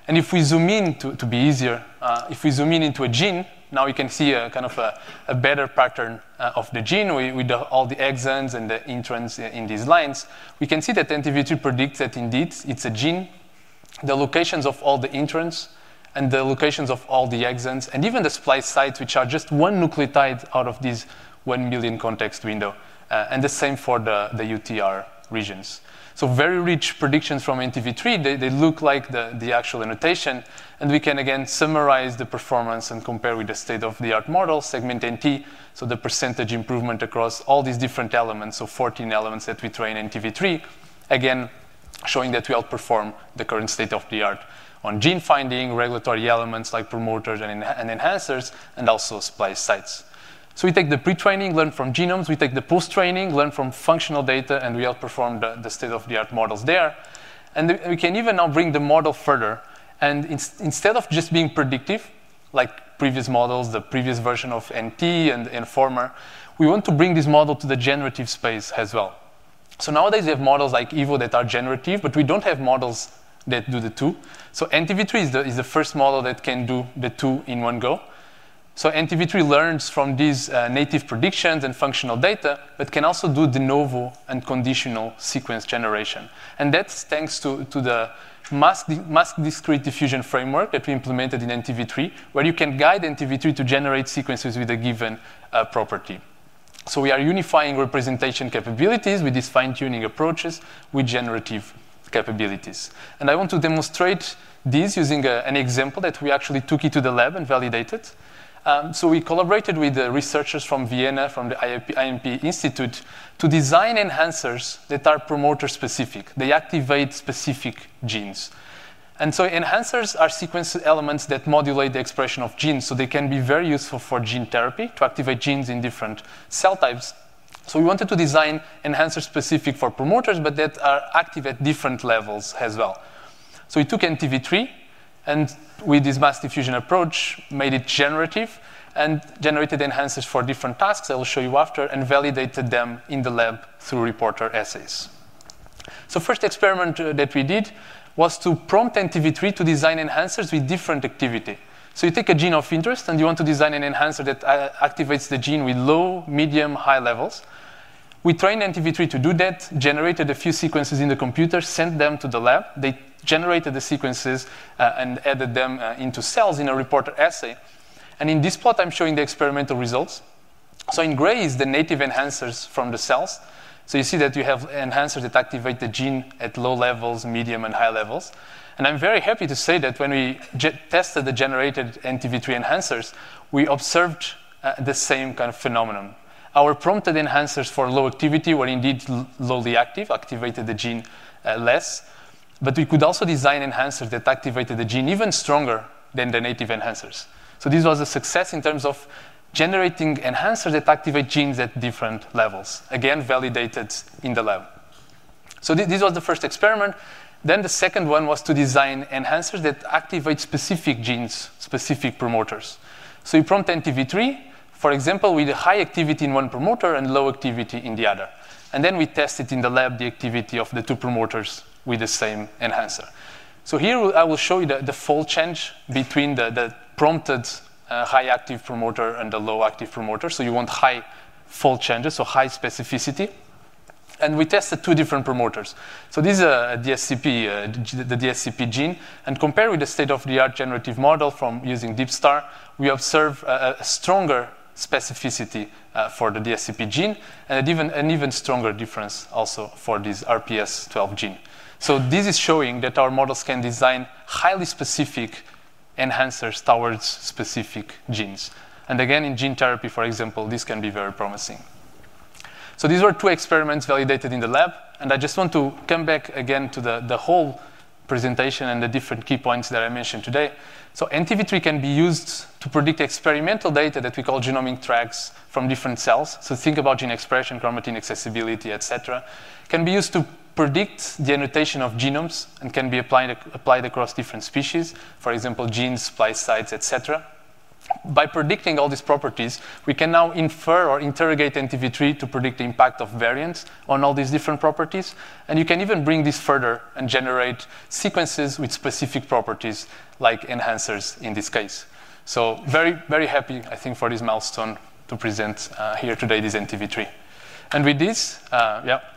If we zoom in, to be easier, if we zoom in into a gene, now we can see a kind of a better pattern of the gene with all the exons and the introns in these lines. We can see that NTv3 predicts that indeed it's a gene, the locations of all the introns, and the locations of all the exons, and even the splice sites, which are just one nucleotide out of this 1 million context window. The same for the UTR regions. Very rich predictions from NTv3. They look like the actual annotation. We can again summarize the performance and compare with the state-of-the-art model, SegmentNT. The percentage improvement across all these different elements, so 14 elements that we train NTv3, again showing that we outperform the current state-of-the-art on gene finding, regulatory elements like promoters and enhancers, and also splice sites. We take the pre-training, learn from genomes. We take the post-training, learn from functional data, and we outperform the state-of-the-art models there. We can even now bring the model further. Instead of just being predictive, like previous models, the previous version of NT and the Informer, we want to bring this model to the generative space as well. Nowadays we have models like EVU that are generative, but we don't have models that do the two. NTv3 is the first model that can do the two in one go. NTv3 learns from these native predictions and functional data, but can also do de novo and conditional sequence generation. That's thanks to the mask discrete diffusion framework that we implemented in NTv3, where you can guide NTv3 to generate sequences with a given property. We are unifying representation capabilities with these fine-tuning approaches with generative capabilities. I want to demonstrate this using an example that we actually took into the lab and validated. We collaborated with the researchers from Vienna from the IMP Institute to design enhancers that are promoter-specific. They activate specific genes. Enhancers are sequence elements that modulate the expression of genes. They can be very useful for gene therapy to activate genes in different cell types. We wanted to design enhancers specific for promoters, but that are active at different levels as well. We took NTv3 and with this mass diffusion approach, made it generative and generated enhancers for different tasks I will show you after and validated them in the lab through reporter assays. The first experiment that we did was to prompt NTv3 to design enhancers with different activity. You take a gene of interest and you want to design an enhancer that activates the gene with low, medium, high levels. We trained NTv3 to do that, generated a few sequences in the computer, sent them to the lab. They generated the sequences and added them into cells in a reporter assay. In this plot, I'm showing the experimental results. In gray is the native enhancers from the cells. You see that you have enhancers that activate the gene at low levels, medium, and high levels. I'm very happy to say that when we tested the generated NTv3 enhancers, we observed the same kind of phenomenon. Our prompted enhancers for low activity were indeed lowly active, activated the gene less. We could also design enhancers that activated the gene even stronger than the native enhancers. This was a success in terms of generating enhancers that activate genes at different levels, again validated in the lab. This was the first experiment. The second one was to design enhancers that activate specific genes, specific promoters. You prompt NTv3, for example, with a high activity in one promoter and low activity in the other. We tested in the lab the activity of the two promoters with the same enhancer. Here I will show you the fold change between the prompted high active promoter and the low active promoter. You want high fold changes, so high specificity. We tested two different promoters. This is a DSCP, the DSCP gene. Compared with the state-of-the-art generative model from using DeepStar, we observe a stronger specificity for the DSCP gene and an even stronger difference also for this RPS12 gene. This is showing that our models can design highly specific enhancers towards specific genes. In gene therapy, for example, this can be very promising. These were two experiments validated in the lab. I just want to come back again to the whole presentation and the different key points that I mentioned today. NTv3 can be used to predict experimental data that we call genomic tracks from different cells. Think about gene expression, chromatin accessibility, et cetera. It can be used to predict the annotation of genomes and can be applied across different species, for example, genes, splice sites, et cetera. By predicting all these properties, we can now infer or interrogate NTv3 to predict the impact of variants on all these different properties. You can even bring this further and generate sequences with specific properties like enhancers in this case. Very, very happy, I think, for this milestone to present here today this NTv3. With this,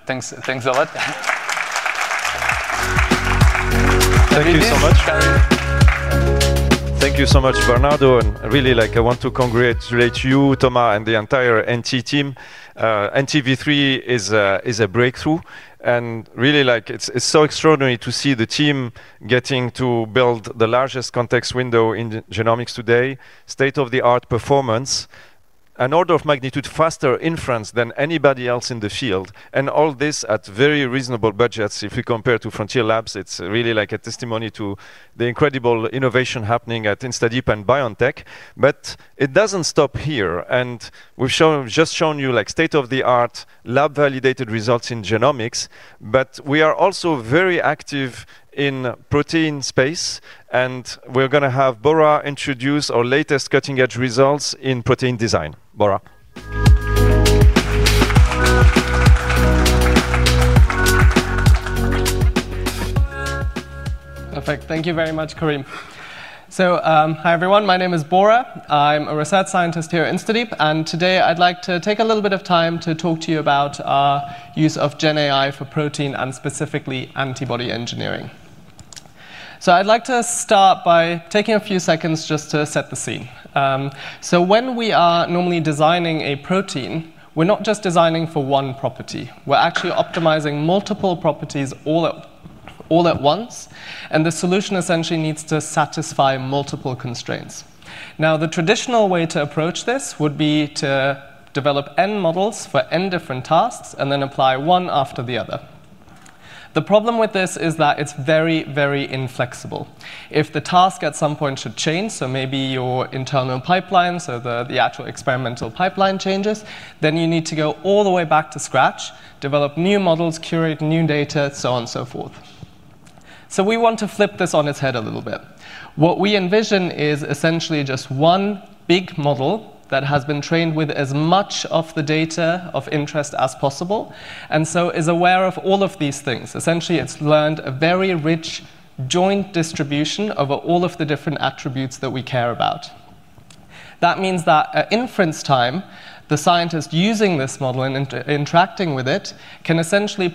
thanks a lot. Thank you so much, Karim. Thank you so much, Bernardo. I really want to congratulate you, Thomas, and the entire NT team. NTv3 is a breakthrough. It's so extraordinary to see the team getting to build the largest context window in genomics today, state-of-the-art performance, an order of magnitude faster inference than anybody else in the field, and all this at very reasonable budgets. If we compare to Frontier Labs, it's really a testimony to the incredible innovation happening at InstaDeep and BioNTech. It doesn't stop here. We've just shown you state-of-the-art lab-validated results in genomics. We are also very active in the protein space, and we're going to have Bora introduce our latest cutting-edge results in protein design. Bora. Perfect. Thank you very much, Karim. Hi, everyone. My name is Bora. I'm a Research Scientist here at InstaDeep. Today, I'd like to take a little bit of time to talk to you about our use of GenAI for protein and specifically antibody engineering. I'd like to start by taking a few seconds just to set the scene. When we are normally designing a protein, we're not just designing for one property. We're actually optimizing multiple properties all at once. The solution essentially needs to satisfy multiple constraints. The traditional way to approach this would be to develop n models for n different tasks and then apply one after the other. The problem with this is that it's very, very inflexible. If the task at some point should change, maybe your internal pipeline, the actual experimental pipeline changes, then you need to go all the way back to scratch, develop new models, curate new data, and so on and so forth. We want to flip this on its head a little bit. What we envision is essentially just one big model that has been trained with as much of the data of interest as possible and is aware of all of these things. Essentially, it's learned a very rich joint distribution over all of the different attributes that we care about. That means that at inference time, the scientist using this model and interacting with it can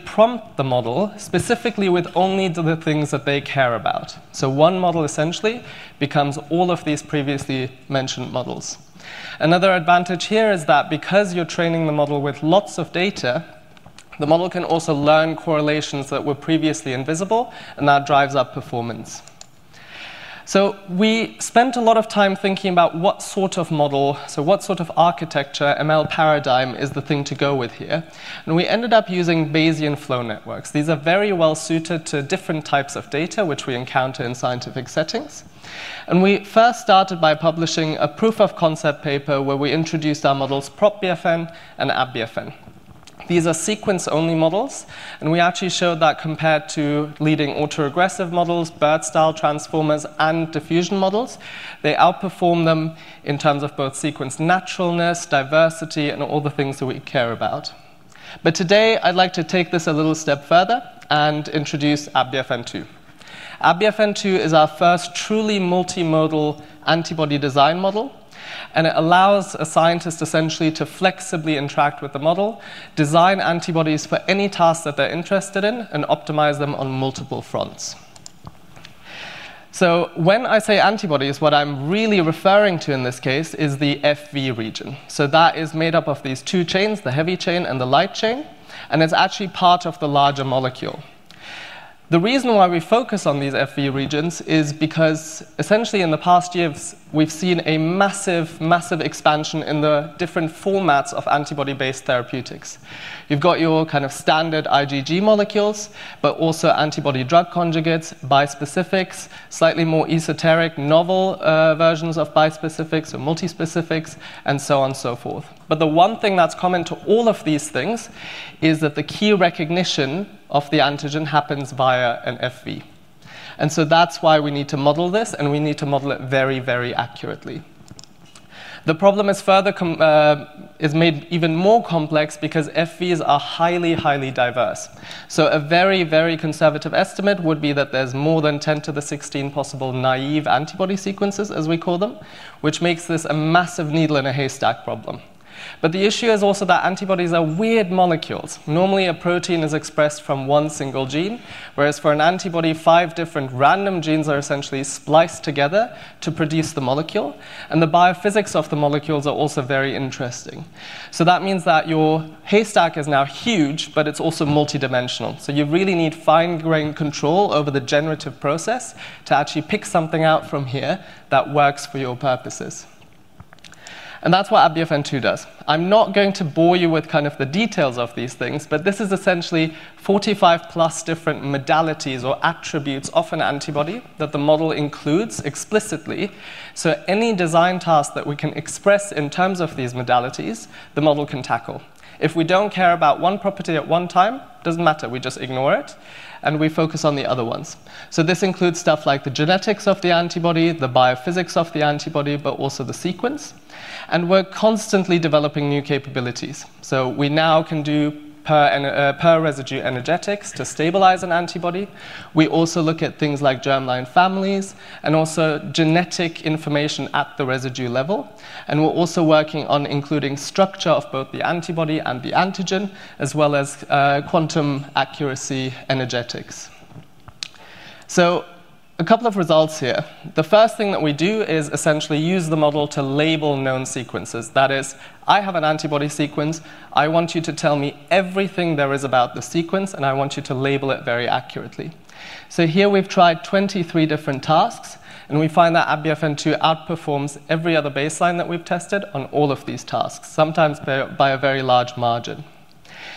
prompt the model specifically with only the things that they care about. One model essentially becomes all of these previously mentioned models. Another advantage here is that because you're training the model with lots of data, the model can also learn correlations that were previously invisible. That drives up performance. We spent a lot of time thinking about what sort of model, what sort of architecture, ML paradigm is the thing to go with here. We ended up using Bayesian flow networks. These are very well suited to different types of data which we encounter in scientific settings. We first started by publishing a proof of concept paper where we introduced our models ProtBFN and AbBFN. These are sequence-only models. We actually showed that compared to leading autoaggressive models, BERT-style transformers, and diffusion models, they outperform them in terms of both sequence naturalness, diversity, and all the things that we care about. Today, I'd like to take this a little step further and introduce AbBFN2. AbBFN2 is our first truly multimodal antibody design model. It allows a scientist essentially to flexibly interact with the model, design antibodies for any task that they're interested in, and optimize them on multiple fronts. When I say antibodies, what I'm really referring to in this case is the FV region. That is made up of these two chains, the heavy chain and the light chain. It's actually part of the larger molecule. The reason why we focus on these FV regions is because essentially in the past years, we've seen a massive, massive expansion in the different formats of antibody-based therapeutics. You've got your kind of standard IgG molecules, but also antibody drug conjugates, bispecifics, slightly more esoteric, novel versions of bispecifics or multi-specifics, and so on and so forth. The one thing that's common to all of these things is that the key recognition of the antigen happens via an FV. That's why we need to model this. We need to model it very, very accurately. The problem is further made even more complex because FVs are highly, highly diverse. A very, very conservative estimate would be that there's more than 10^16 possible naive antibody sequences, as we call them, which makes this a massive needle-in-a-haystack problem. The issue is also that antibodies are weird molecules. Normally, a protein is expressed from one single gene, whereas for an antibody, five different random genes are essentially spliced together to produce the molecule. The biophysics of the molecules are also very interesting. That means that your haystack is now huge, but it's also multidimensional. You really need fine-grained control over the generative process to actually pick something out from here that works for your purposes. That's what AbBFN2 does. I'm not going to bore you with the details of these things, but this is essentially 45+ different modalities or attributes of an antibody that the model includes explicitly. Any design task that we can express in terms of these modalities, the model can tackle. If we don't care about one property at one time, it doesn't matter. We just ignore it and focus on the other ones. This includes stuff like the genetics of the antibody, the biophysics of the antibody, but also the sequence. We're constantly developing new capabilities. We now can do per-residue energetics to stabilize an antibody. We also look at things like germline families and also genetic information at the residue level. We're also working on including structure of both the antibody and the antigen, as well as quantum accuracy energetics. A couple of results here. The first thing that we do is essentially use the model to label known sequences. That is, I have an antibody sequence. I want you to tell me everything there is about the sequence. I want you to label it very accurately. Here we've tried 23 different tasks, and we find that AbBFN2 outperforms every other baseline that we've tested on all of these tasks, sometimes by a very large margin.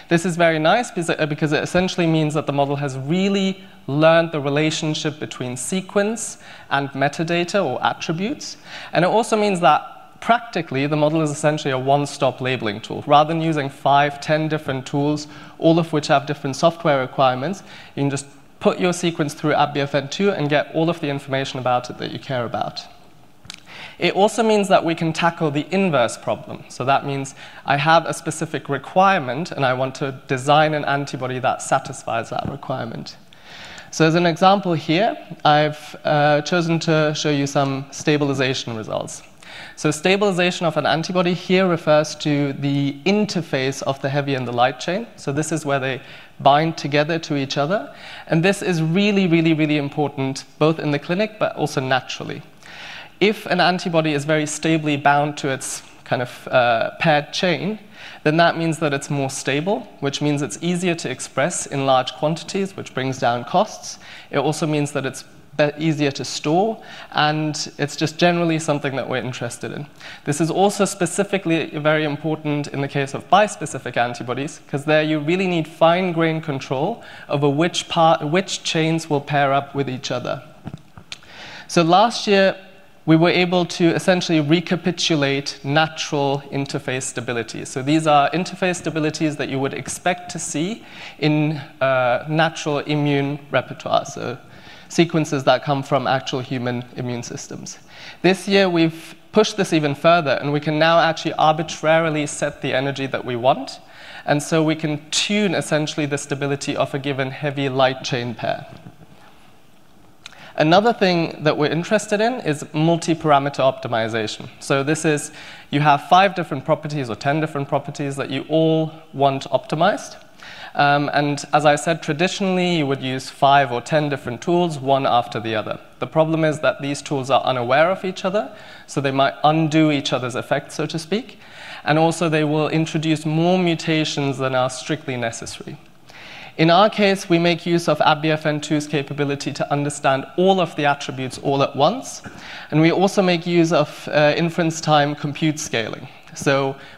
This is very nice because it essentially means that the model has really learned the relationship between sequence and metadata or attributes. It also means that practically the model is essentially a one-stop labeling tool. Rather than using five, ten different tools, all of which have different software requirements, you can just put your sequence through AbBFN2 and get all of the information about it that you care about. It also means that we can tackle the inverse problem. That means I have a specific requirement and I want to design an antibody that satisfies that requirement. As an example here, I've chosen to show you some stabilization results. Stabilization of an antibody here refers to the interface of the heavy and the light chain. This is where they bind together to each other. This is really, really, really important, both in the clinic, but also naturally. If an antibody is very stably bound to its kind of paired chain, then that means that it's more stable, which means it's easier to express in large quantities, which brings down costs. It also means that it's easier to store, and it's just generally something that we're interested in. This is also specifically very important in the case of bispecific antibodies because there you really need fine-grained control over which part, which chains will pair up with each other. Last year, we were able to essentially recapitulate natural interface stability. These are interface stabilities that you would expect to see in natural immune repertoires, so sequences that come from actual human immune systems. This year, we've pushed this even further, and we can now actually arbitrarily set the energy that we want. We can tune essentially the stability of a given heavy light chain pair. Another thing that we're interested in is multi-parameter optimization. This is you have five different properties or ten different properties that you all want optimized. As I said, traditionally, you would use five or ten different tools, one after the other. The problem is that these tools are unaware of each other. They might undo each other's effects, so to speak, and also, they will introduce more mutations than are strictly necessary. In our case, we make use of AbBFN2's capability to understand all of the attributes all at once. We also make use of inference time compute scaling.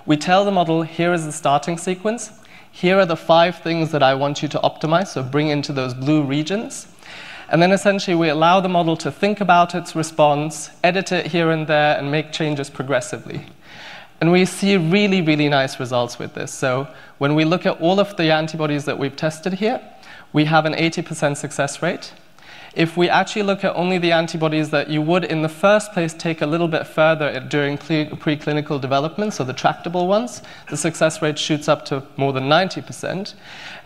We tell the model, here is the starting sequence, here are the five things that I want you to optimize, so bring into those blue regions. Essentially, we allow the model to think about its response, edit it here and there, and make changes progressively. We see really, really nice results with this. When we look at all of the antibodies that we've tested here, we have an 80% success rate. If we actually look at only the antibodies that you would in the first place take a little bit further during preclinical development, so the tractable ones, the success rate shoots up to more than 90%.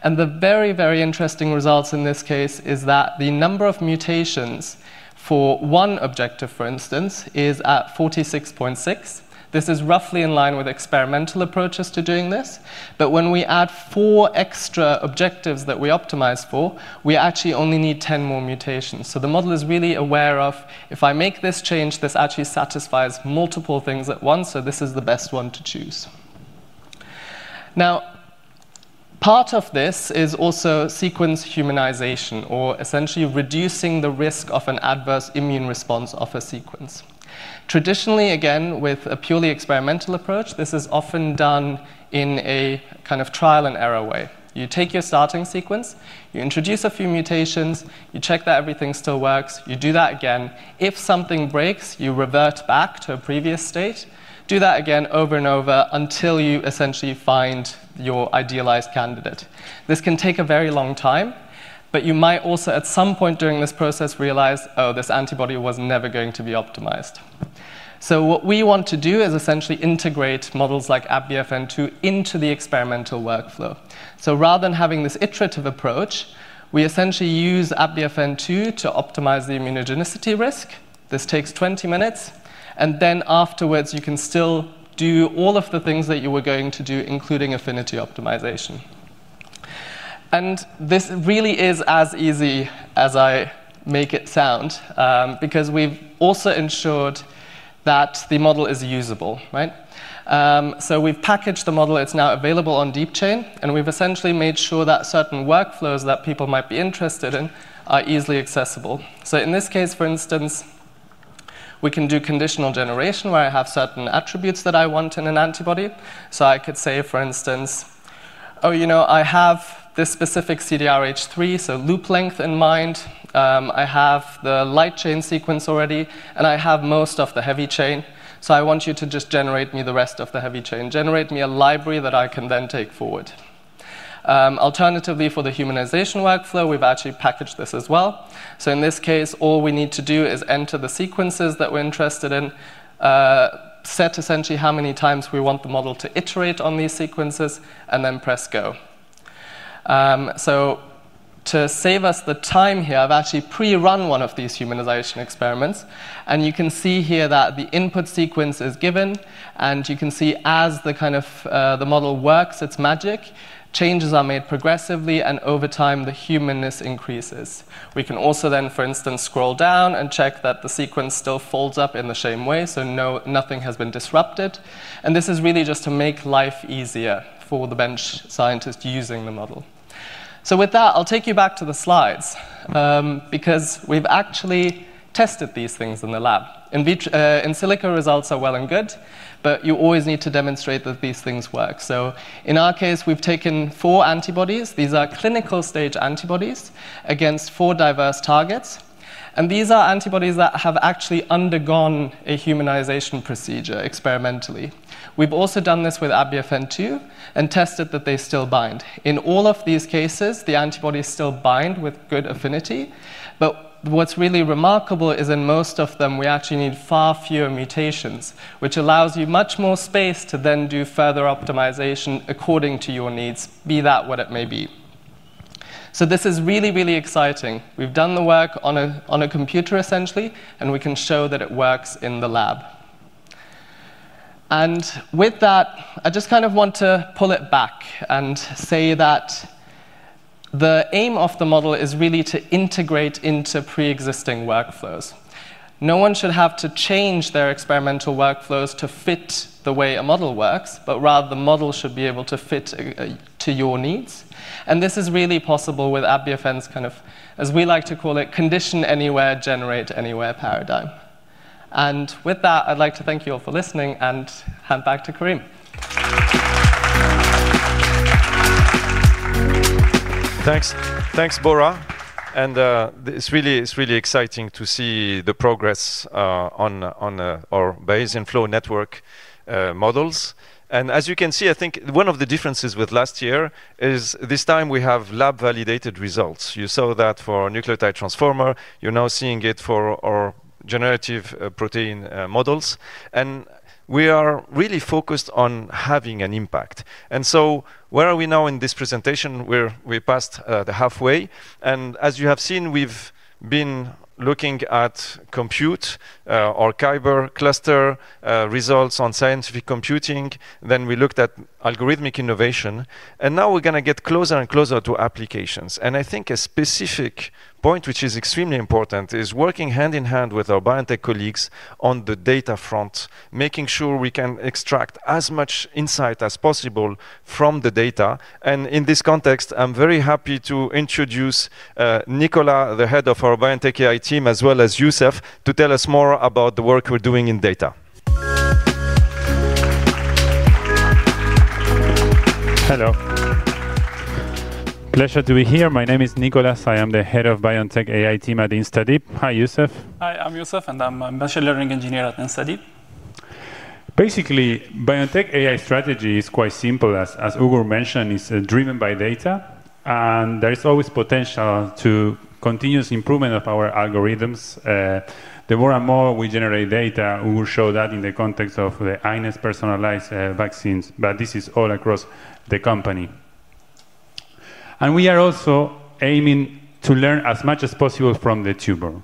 The very, very interesting results in this case is that the number of mutations for one objective, for instance, is at 46.6. This is roughly in line with experimental approaches to doing this. When we add four extra objectives that we optimize for, we actually only need ten more mutations. The model is really aware of if I make this change, this actually satisfies multiple things at once, so this is the best one to choose. Part of this is also sequence humanization or essentially reducing the risk of an adverse immune response of a sequence. Traditionally, again, with a purely experimental approach, this is often done in a kind of trial and error way. You take your starting sequence, you introduce a few mutations, you check that everything still works, you do that again. If something breaks, you revert back to a previous state, do that again over and over until you essentially find your idealized candidate. This can take a very long time, but you might also at some point during this process realize, oh, this antibody was never going to be optimized. What we want to do is essentially integrate models like AbBFN2 into the experimental workflow. Rather than having this iterative approach, we essentially use AbBFN2 to optimize the immunogenicity risk. This takes 20 minutes. Afterwards, you can still do all of the things that you were going to do, including affinity optimization. This really is as easy as I make it sound because we've also ensured that the model is usable. Right. We've packaged the model. It's now available on DeepChain, and we've essentially made sure that certain workflows that people might be interested in are easily accessible. In this case, for instance, we can do conditional generation where I have certain attributes that I want in an antibody. I could say, for instance, oh, you know, I have this specific CDRH3, so loop length in mind. I have the light chain sequence already, and I have most of the heavy chain. I want you to just generate me the rest of the heavy chain. Generate me a library that I can then take forward. Alternatively, for the humanization workflow, we've actually packaged this as well. In this case, all we need to do is enter the sequences that we're interested in, set essentially how many times we want the model to iterate on these sequences, and then press go. To save us the time here, I've actually pre-run one of these humanization experiments, and you can see here that the input sequence is given, and you can see as the model works its magic, changes are made progressively, and over time, the humanness increases. We can also then, for instance, scroll down and check that the sequence still folds up in the same way, so nothing has been disrupted. This is really just to make life easier for the bench scientist using the model. With that, I'll take you back to the slides because we've actually tested these things in the lab. In silico results are well and good, but you always need to demonstrate that these things work. In our case, we've taken four antibodies. These are clinical stage antibodies against four diverse targets, and these are antibodies that have actually undergone a humanization procedure experimentally. We've also done this with AbBFN2 and tested that they still bind. In all of these cases, the antibodies still bind with good affinity, but what's really remarkable is in most of them, we actually need far fewer mutations, which allows you much more space to then do further optimization according to your needs, be that what it may be. This is really, really exciting. We've done the work on a computer, essentially, and we can show that it works in the lab. With that, I just want to pull it back and say that the aim of the model is really to integrate into pre-existing workflows. No one should have to change their experimental workflows to fit the way a model works, but rather, the model should be able to fit to your needs. This is really possible with AbBFN's, as we like to call it, condition anywhere, generate anywhere paradigm. With that, I'd like to thank you all for listening and hand back to Karim. Thanks, Bora. It's really exciting to see the progress on our Bayesian flow network models. As you can see, I think one of the differences with last year is this time we have lab-validated results. You saw that for our Nucleotide Transformer. You're now seeing it for our generative protein models. We are really focused on having an impact. Where are we now in this presentation? We passed the halfway point. As you have seen, we've been looking at compute, our Kyber cluster results on scientific computing. We looked at algorithmic innovation. Now we're going to get closer and closer to applications. A specific point, which is extremely important, is working hand in hand with our BioNTech colleagues on the data front, making sure we can extract as much insight as possible from the data. In this context, I'm very happy to introduce Nicolás, the Head of our BioNTech AI Team, as well as Youssef, to tell us more about the work we're doing in data. Hello. Pleasure to be here. My name is Nicolás. I am the Head of the BioNTech AI Team at InstaDeep. Hi, Youssef. Hi, I'm Youssef, and I'm a Machine Learning Engineer at InstaDeep. Basically, BioNTech AI strategy is quite simple. As Ugur mentioned, it's driven by data. There is always potential to continuous improvement of our algorithms. The more and more we generate data, we will show that in the context of the personalized vaccines. This is all across the company. We are also aiming to learn as much as possible from the tumor.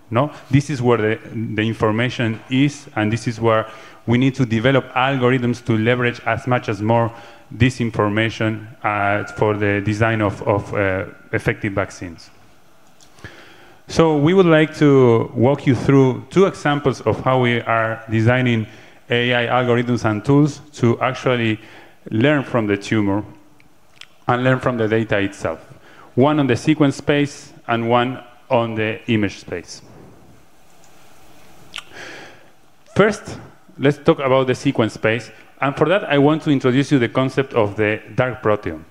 This is where the information is, and this is where we need to develop algorithms to leverage as much as more this information for the design of effective vaccines. We would like to walk you through two examples of how we are designing AI algorithms and tools to actually learn from the tumor and learn from the data itself. One on the sequence space and one on the image space. First, let's talk about the sequence space. For that, I want to introduce you the concept of the dark proteome.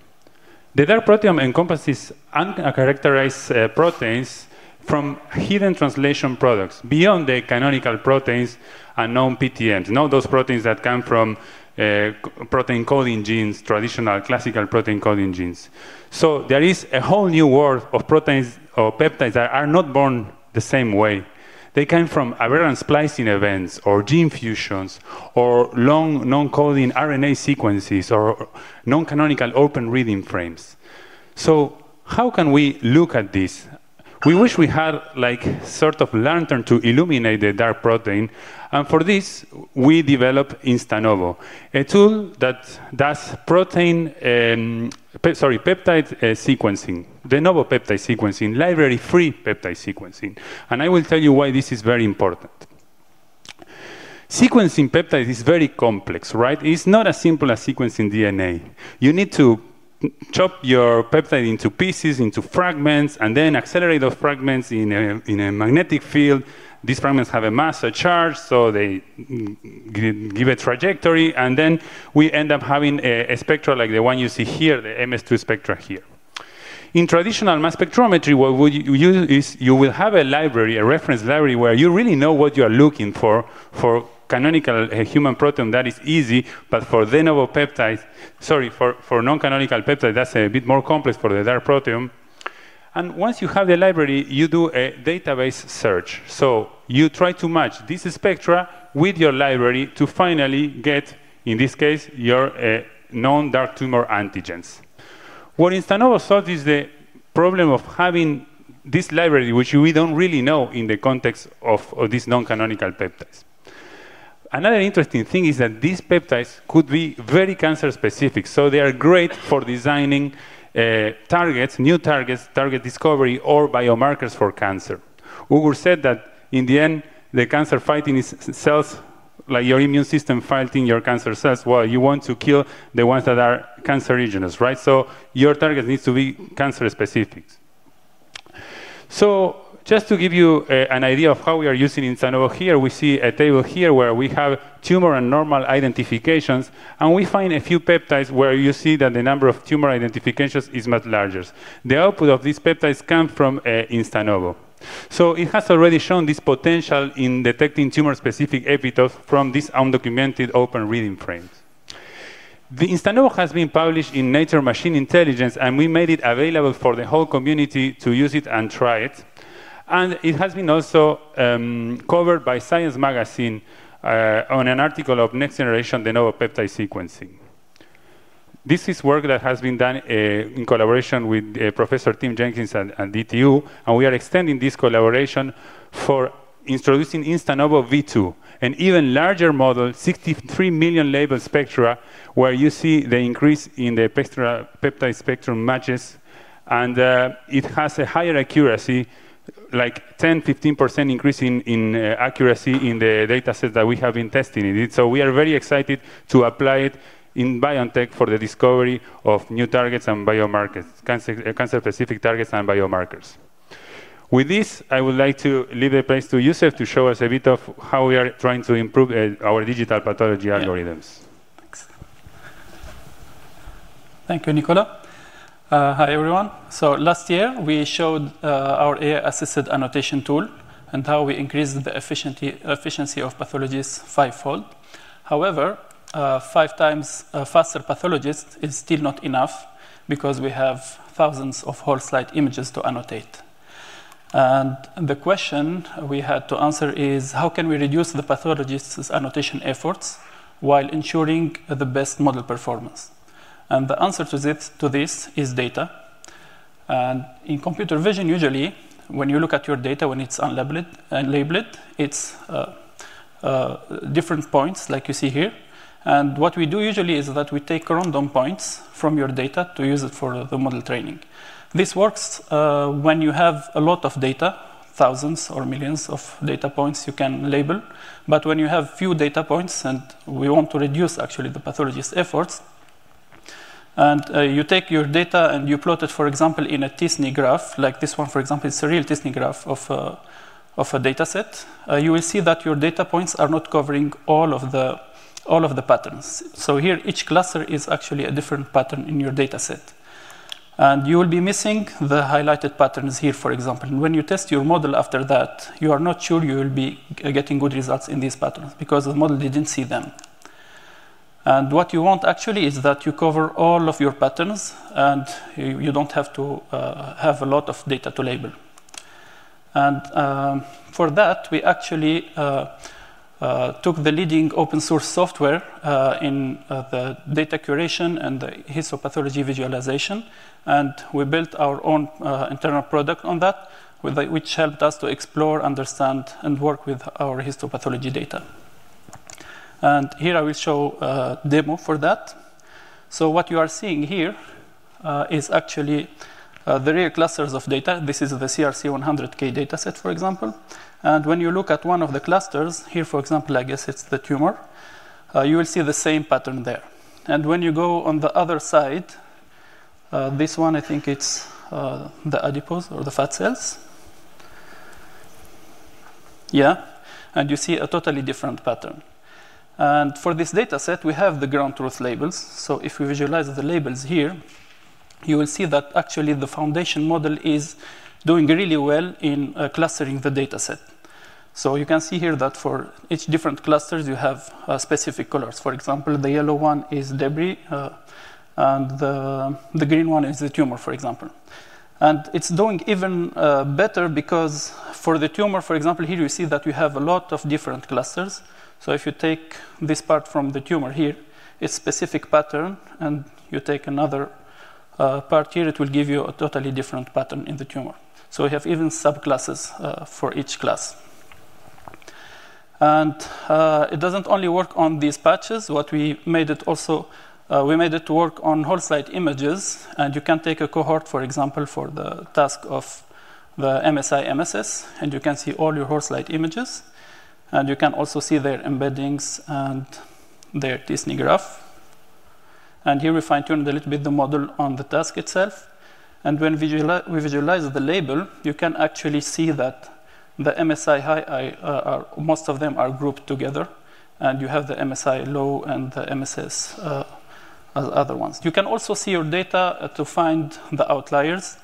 The dark proteome encompasses uncharacterized proteins from hidden translation products beyond the canonical proteins and known PTNs. Those proteins that come from protein coding genes, traditional classical protein coding genes. There is a whole new world of proteins or peptides that are not born the same way. They come from aberrant splicing events or gene fusions or long non-coding RNA sequences or non-canonical open reading frames. How can we look at this? We wish we had like a sort of lantern to illuminate the dark proteome. For this, we developed InstaNovo, a tool that does peptide sequencing, de novo peptide sequencing, library-free peptide sequencing. I will tell you why this is very important. Sequencing peptides is very complex, right? It's not as simple as sequencing DNA. You need to chop your peptide into pieces, into fragments, and then accelerate those fragments in a magnetic field. These fragments have a mass, a charge, so they give a trajectory. We end up having a spectra like the one you see here, the MS2 spectra here. In traditional mass spectrometry, what you do is you will have a library, a reference library, where you really know what you are looking for for canonical human protein. That is easy. For de novo peptides, for non-canonical peptides, that's a bit more complex for the dark proteome. Once you have the library, you do a database search. You try to match this spectra with your library to finally get, in this case, your known dark tumor antigens. What InstaNovo solves is the problem of having this library, which we don't really know in the context of these non-canonical peptides. Another interesting thing is that these peptides could be very cancer specific. They are great for designing targets, new targets, target discovery, or biomarkers for cancer. Ugur said that in the end, the cancer fighting is cells, like your immune system fighting your cancer cells. You want to kill the ones that are cancerogenous, right? Your target needs to be cancer specific. Just to give you an idea of how we are using InstaNovo here, we see a table here where we have tumor and normal identifications. We find a few peptides where you see that the number of tumor identifications is much larger. The output of these peptides comes from InstaNovo. It has already shown this potential in detecting tumor specific epitopes from these undocumented open reading frames. InstaNovo has been published in Nature Machine Intelligence, and we made it available for the whole community to use it and try it. It has been also covered by Science Magazine on an article of next generation de novo peptide sequencing. This is work that has been done in collaboration with Professor Tim Jenkins at DTU. We are extending this collaboration for introducing InstaNovo V2, an even larger model, 63 million label spectra, where you see the increase in the peptide spectrum matches. It has a higher accuracy, like 10%-15% increase in accuracy in the data set that we have been testing in it. We are very excited to apply it in BioNTech for the discovery of new targets and biomarkers, cancer specific targets and biomarkers. With this, I would like to leave the place to Youssef to show us a bit of how we are trying to improve our digital pathology algorithms. Thanks. Thank you, Nicolás. Hi, everyone. Last year, we showed our AI-assisted annotation tool and how we increased the efficiency of pathologists five fold. However, five times faster pathologists is still not enough because we have thousands of whole slide images to annotate. The question we had to answer is, how can we reduce the pathologist's annotation efforts while ensuring the best model performance? The answer to this is data. In computer vision, usually, when you look at your data, when it's unlabeled, it's different points, like you see here. What we do usually is that we take random points from your data to use it for the model training. This works when you have a lot of data, thousands or millions of data points you can label. When you have few data points and we want to reduce, actually, the pathologist's efforts, and you take your data and you plot it, for example, in a t-SNE graph, like this one, for example, it's a real t-SNE graph of a data set. You will see that your data points are not covering all of the patterns. Here, each cluster is actually a different pattern in your data set. You will be missing the highlighted patterns here, for example. When you test your model after that, you are not sure you will be getting good results in these patterns because the model didn't see them. What you want, actually, is that you cover all of your patterns and you don't have to have a lot of data to label. For that, we actually took the leading open source software in the data curation and the histopathology visualization. We built our own internal product on that, which helped us to explore, understand, and work with our histopathology data. Here, I will show a demo for that. What you are seeing here is actually the real clusters of data. This is the CRC 100K data set, for example. When you look at one of the clusters, here, for example, I guess it's the tumor, you will see the same pattern there. When you go on the other side, this one, I think it's the adipose or the fat cells. Yeah. You see a totally different pattern. For this data set, we have the ground truth labels. If we visualize the labels here, you will see that actually the foundation model is doing really well in clustering the data set. You can see here that for each different clusters, you have specific colors. For example, the yellow one is debris and the green one is the tumor, for example. It's doing even better because for the tumor, for example, here, you see that you have a lot of different clusters. If you take this part from the tumor here, a specific pattern, and you take another part here, it will give you a totally different pattern in the tumor. We have even subclasses for each class. It doesn't only work on these patches. What we made, also, we made it to work on whole slide images. You can take a cohort, for example, for the task of the MSI, MSS. You can see all your whole slide images. You can also see their embeddings and their t-SNE graph. Here, we fine-tuned a little bit the model on the task itself. When we visualize the label, you can actually see that the MSI high, most of them are grouped together. You have the MSI low and the MSS as other ones. You can also see your data to find the outliers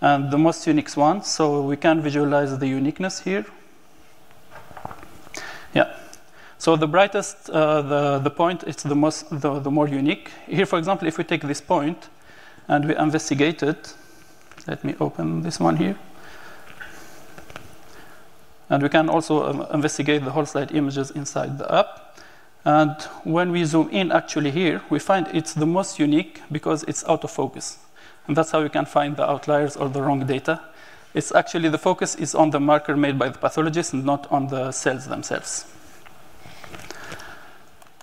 and the most unique ones. We can visualize the uniqueness here. The brightest the point, it's the more unique. Here, for example, if we take this point and we investigate it, let me open this one here. We can also investigate the whole slide images inside the app. When we zoom in, actually, here, we find it's the most unique because it's out of focus. That's how we can find the outliers or the wrong data. It's actually the focus is on the marker made by the pathologist and not on the cells themselves.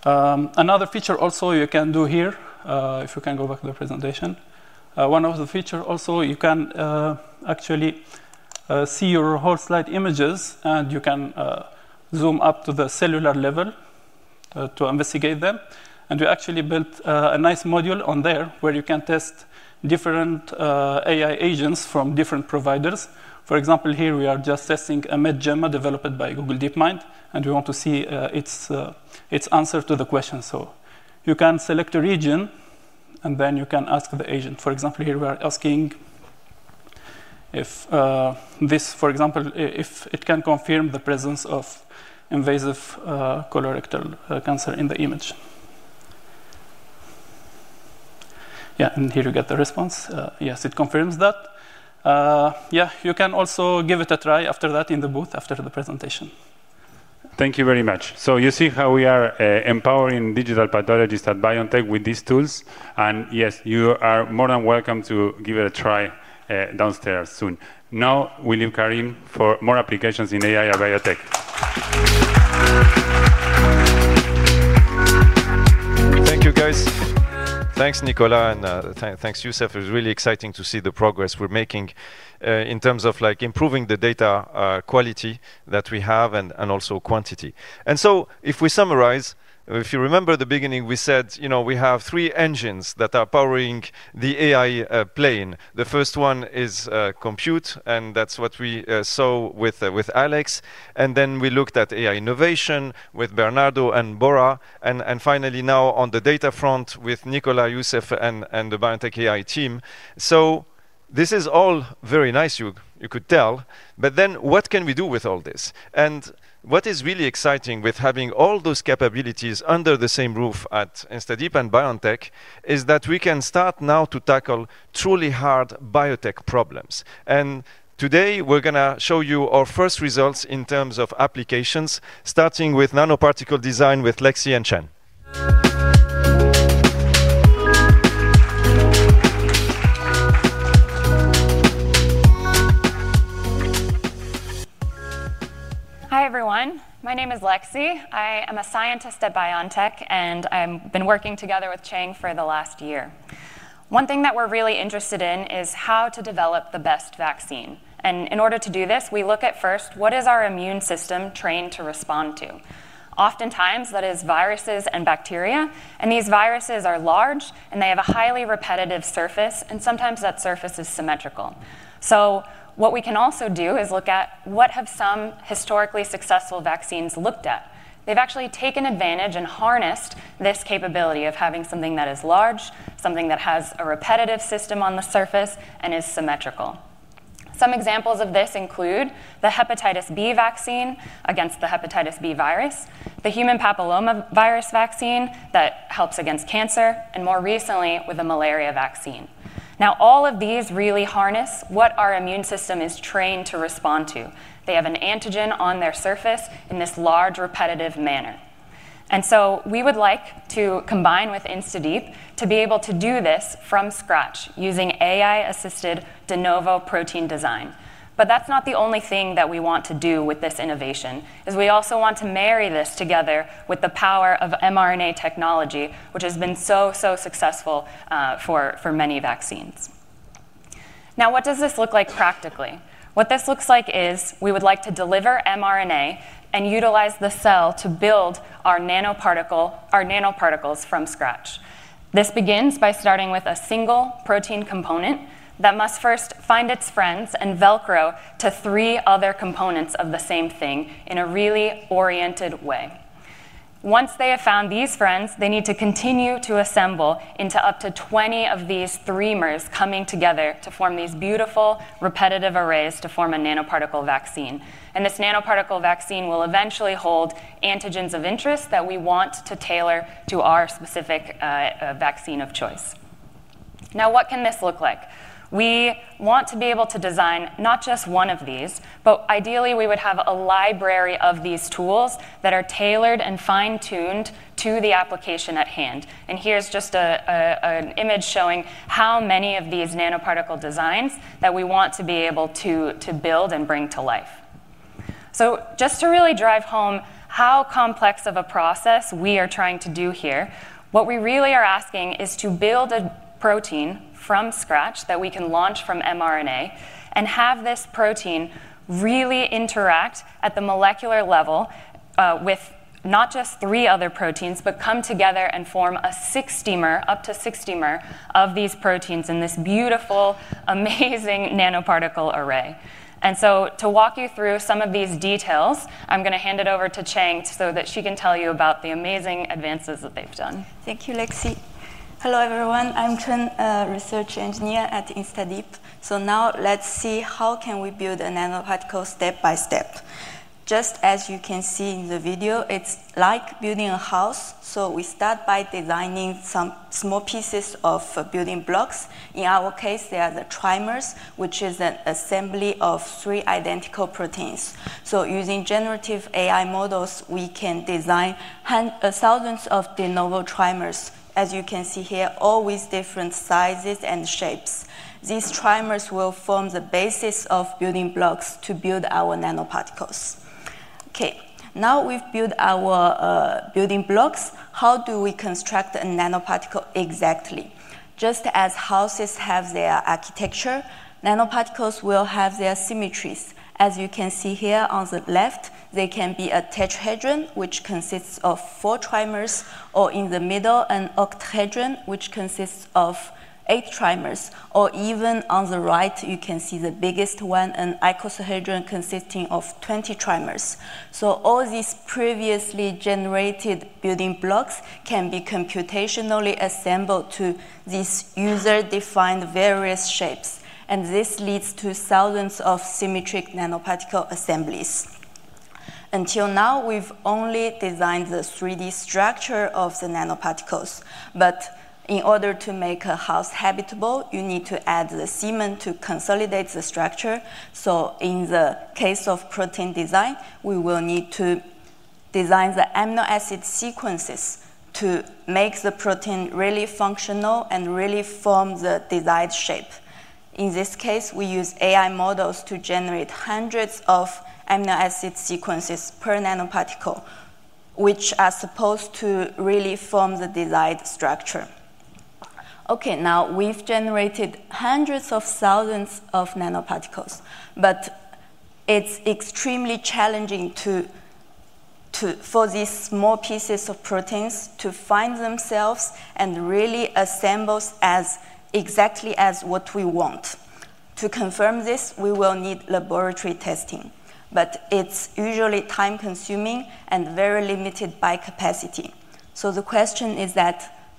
Another feature you can do here, if you can go back to the presentation, one of the features, also, you can actually see your whole slide images and you can zoom up to the cellular level to investigate them. We actually built a nice module on there where you can test different AI agents from different providers. For example, here, we are just testing a MedGemma developed by Google DeepMind. We want to see its answer to the question. You can select a region and then you can ask the agent. For example, here, we are asking if it can confirm the presence of invasive colorectal cancer in the image. Here, you get the response. Yes, it confirms that. You can also give it a try after that in the booth after the presentation. Thank you very much. You see how we are empowering digital pathologists at BioNTech with these tools. Yes, you are more than welcome to give it a try downstairs soon. Now, we leave Karim for more applications in AI at BioNTech. Thank you, guys. Thanks, Nicolás, and thanks, Youssef. It was really exciting to see the progress we're making in terms of improving the data quality that we have and also quantity. If we summarize, if you remember at the beginning, we said we have three engines that are powering the AI plane. The first one is compute, and that's what we saw with Alex. We looked at AI innovation with Bernardo and Bora. Finally, now on the data front with Nicolás, Youssef, and the BioNTech AI team. This is all very nice, you could tell. What can we do with all this? What is really exciting with having all those capabilities under the same roof at InstaDeep and BioNTech is that we can start now to tackle truly hard biotech problems. Today, we're going to show you our first results in terms of applications, starting with nanoparticle design with Lexi and Chang. Hi, everyone. My name is Lexi. I am a Scientist at BioNTech, and I've been working together with Cheng for the last year. One thing that we're really interested in is how to develop the best vaccine. In order to do this, we look at first, what is our immune system trained to respond to? Oftentimes, that is viruses and bacteria. These viruses are large, and they have a highly repetitive surface. Sometimes that surface is symmetrical. What we can also do is look at what have some historically successful vaccines looked at. They've actually taken advantage and harnessed this capability of having something that is large, something that has a repetitive system on the surface, and is symmetrical. Some examples of this include the hepatitis B vaccine against the hepatitis B virus, the human papillomavirus vaccine that helps against cancer, and more recently, with a malaria vaccine. All of these really harness what our immune system is trained to respond to. They have an antigen on their surface in this large repetitive manner. We would like to combine with InstaDeep to be able to do this from scratch using AI-assisted de novo protein design. That's not the only thing that we want to do with this innovation, as we also want to marry this together with the power of mRNA technology, which has been so, so successful for many vaccines. Now, what does this look like practically? What this looks like is we would like to deliver mRNA and utilize the cell to build our nanoparticles from scratch. This begins by starting with a single protein component that must first find its friends and velcro to three other components of the same thing in a really oriented way. Once they have found these friends, they need to continue to assemble into up to 20 of these three-mers coming together to form these beautiful repetitive arrays to form a nanoparticle vaccine. This nanoparticle vaccine will eventually hold antigens of interest that we want to tailor to our specific vaccine of choice. What can this look like? We want to be able to design not just one of these, but ideally, we would have a library of these tools that are tailored and fine-tuned to the application at hand. Here's just an image showing how many of these nanoparticle designs that we want to be able to build and bring to life. To really drive home how complex of a process we are trying to do here, what we really are asking is to build a protein from scratch that we can launch from mRNA and have this protein really interact at the molecular level with not just three other proteins, but come together and form a 60-mer, up to 60-mer of these proteins in this beautiful, amazing nanoparticle array. To walk you through some of these details, I'm going to hand it over to Cheng so that she can tell you about the amazing advances that they've done. Thank you, Lexi. Hello, everyone. I'm Cheng, a Research Engineer at InstaDeep. Now let's see how can we build a nanoparticle step by step. Just as you can see in the video, it's like building a house. We start by designing some small pieces of building blocks. In our case, they are the trimers, which is an assembly of three identical proteins. Using generative AI models, we can design thousands of de novo trimers, as you can see here, all with different sizes and shapes. These trimers will form the basis of building blocks to build our nanoparticles. Now we've built our building blocks. How do we construct a nanoparticle exactly? Just as houses have their architecture, nanoparticles will have their symmetries. As you can see here on the left, they can be a tetrahedron, which consists of four trimers, or in the middle, an octahedron, which consists of eight trimers. Even on the right, you can see the biggest one, an icosahedron, consisting of 20 trimers. All these previously generated building blocks can be computationally assembled to these user-defined various shapes. This leads to thousands of symmetric nanoparticle assemblies. Until now, we've only designed the 3D structure of the nanoparticles. In order to make a house habitable, you need to add the cement to consolidate the structure. In the case of protein design, we will need to design the amino acid sequences to make the protein really functional and really form the desired shape. In this case, we use AI models to generate hundreds of amino acid sequences per nanoparticle, which are supposed to really form the desired structure. Now, we've generated hundreds of thousands of nanoparticles. It's extremely challenging for these small pieces of proteins to find themselves and really assemble exactly as what we want. To confirm this, we will need laboratory testing. It's usually time-consuming and very limited by capacity. The question is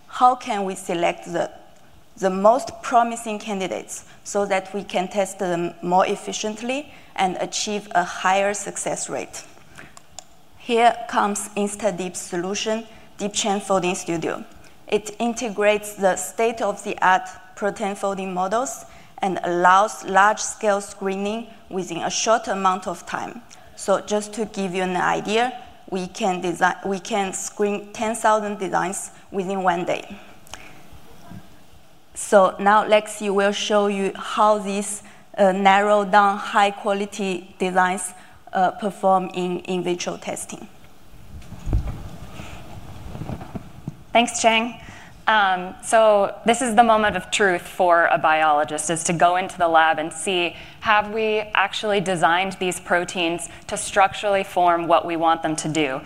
how can we select the most promising candidates so that we can test them more efficiently and achieve a higher success rate? Here comes InstaDeep's solution, DeepChain Folding Studio. It integrates the state-of-the-art protein folding models and allows large-scale screening within a short amount of time. Just to give you an idea, we can screen 10,000 designs within one day. Now Lexi will show you how these narrowed-down, high-quality designs perform in in vitro testing. Thanks, Cheng. This is the moment of truth for a biologist, to go into the lab and see, have we actually designed these proteins to structurally form what we want them to do?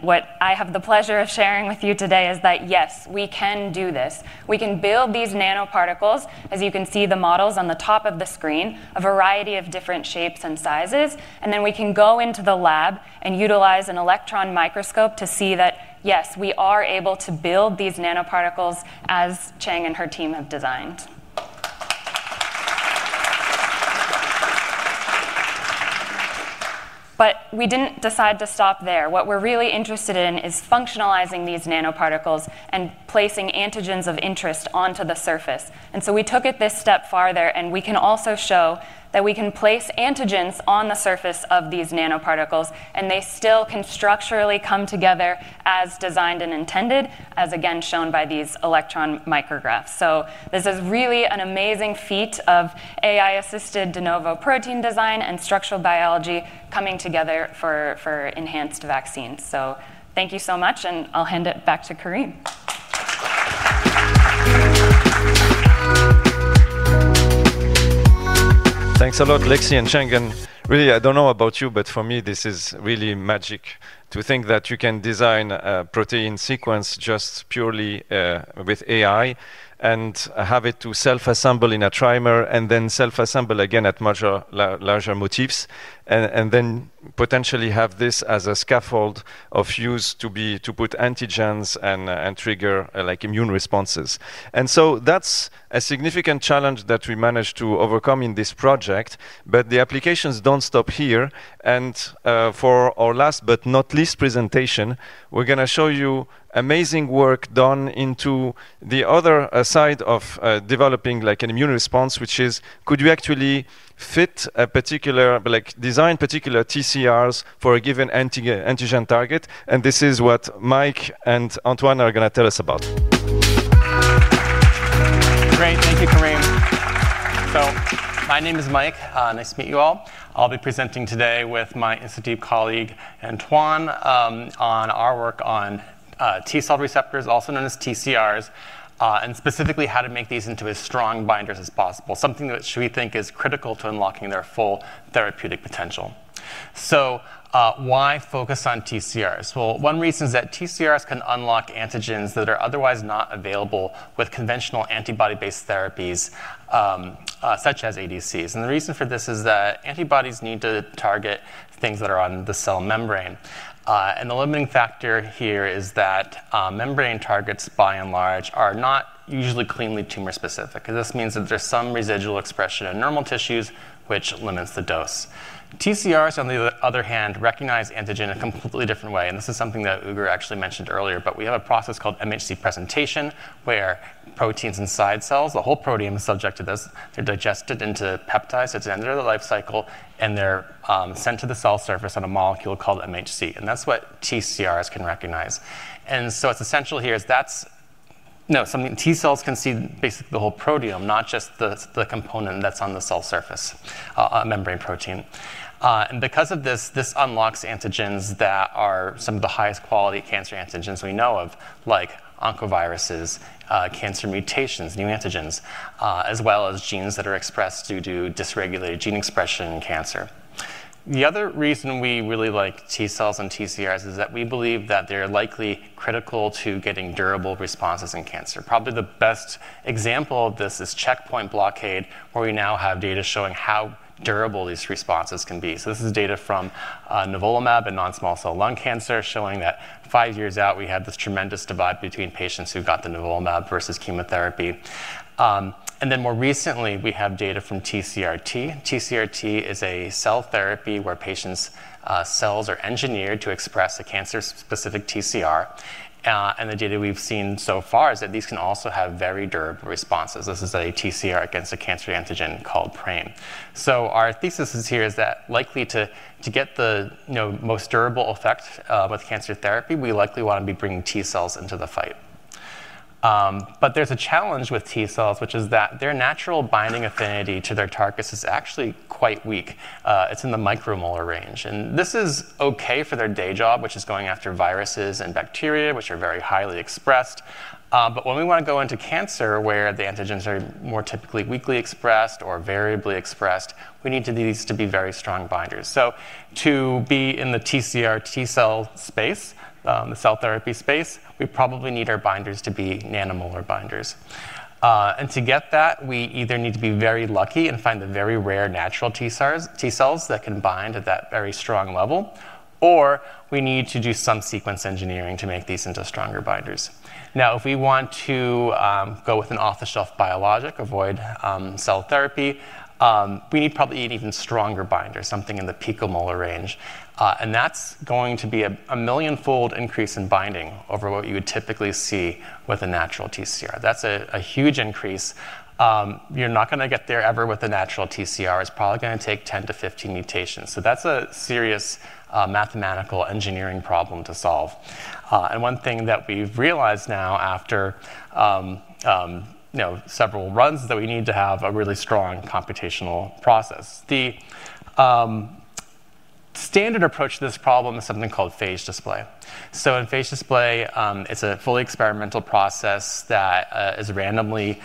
What I have the pleasure of sharing with you today is that yes, we can do this. We can build these nanoparticles, as you can see the models on the top of the screen, a variety of different shapes and sizes. We can go into the lab and utilize an electron microscope to see that yes, we are able to build these nanoparticles as Cheng and her team have designed. We didn't decide to stop there. What we're really interested in is functionalizing these nanoparticles and placing antigens of interest onto the surface. We took it this step farther, and we can also show that we can place antigens on the surface of these nanoparticles, and they still can structurally come together as designed and intended, as again shown by these electron micrographs. This is really an amazing feat of AI-assisted de novo protein design and structural biology coming together for enhanced vaccines. Thank you so much, and I'll hand it back to Karim. Thanks a lot, Lexi and Cheng. I don't know about you, but for me, this is really magic to think that you can design a protein sequence just purely with AI and have it self-assemble in a trimer and then self-assemble again at larger motifs, and then potentially have this as a scaffold of use to put antigens and trigger immune responses. That's a significant challenge that we managed to overcome in this project. The applications don't stop here. For our last but not least presentation, we're going to show you amazing work done into the other side of developing an immune response, which is, could you actually fit a particular design, particular TCRs for a given antigen target? This is what Mike and Antoine are going to tell us about. Great. Thank you, Karim. My name is Mike. Nice to meet you all. I'll be presenting today with my InstaDeep colleague, Antoine, on our work on T cell receptors, also known as TCRs, and specifically how to make these into as strong binders as possible, something that we think is critical to unlocking their full therapeutic potential. Why focus on TCRs? One reason is that TCRs can unlock antigens that are otherwise not available with conventional antibody-based therapies, such as ADCs. The reason for this is that antibodies need to target things that are on the cell membrane. The limiting factor here is that membrane targets, by and large, are not usually cleanly tumor specific. This means that there's some residual expression in normal tissues, which limits the dose. TCRs, on the other hand, recognize antigen in a completely different way. This is something that Ugur actually mentioned earlier. We have a process called MHC presentation, where proteins inside cells, the whole protein is subject to this. They're digested into peptides. It's at the end of the life cycle, and they're sent to the cell surface on a molecule called MHC. That's what TCRs can recognize. What's essential here is that's something T cells can see basically the whole proteome, not just the component that's on the cell surface, a membrane protein. Because of this, this unlocks antigens that are some of the highest quality cancer antigens we know of, like oncoviruses, cancer mutations, new antigens, as well as genes that are expressed due to dysregulated gene expression in cancer. The other reason we really like T cells and TCRs is that we believe that they're likely critical to getting durable responses in cancer. Probably the best example of this is checkpoint blockade, where we now have data showing how durable these responses can be. This is data from nivolumab and non-small cell lung cancer, showing that five years out, we had this tremendous divide between patients who got the nivolumab versus chemotherapy. More recently, we have data from TCR-T. TCR-T is a cell therapy where patients' cells are engineered to express a cancer-specific TCR. The data we've seen so far is that these can also have very durable responses. This is a TCR against a cancer antigen called PRAME. Our thesis here is that likely to get the most durable effect with cancer therapy, we likely want to be bringing T cells into the fight. There is a challenge with T cells, which is that their natural binding affinity to their targets is actually quite weak. It's in the micromolar range. This is OK for their day job, which is going after viruses and bacteria, which are very highly expressed. When we want to go into cancer, where the antigens are more typically weakly expressed or variably expressed, we need these to be very strong binders. To be in the TCR-T cell space, the cell therapy space, we probably need our binders to be nanomolar binders. To get that, we either need to be very lucky and find the very rare natural T cells that can bind at that very strong level, or we need to do some sequence engineering to make these into stronger binders. If we want to go with an off-the-shelf biologic, avoid cell therapy, we need probably an even stronger binder, something in the picomolar range. That is going to be a million-fold increase in binding over what you would typically see with a natural TCR. That is a huge increase. You're not going to get there ever with a natural TCR. It's probably going to take 10-15 mutations. That is a serious mathematical engineering problem to solve. One thing that we've realized now after several runs is that we need to have a really strong computational process. The standard approach to this problem is something called phage display. In phage display, it's a fully experimental process that is randomly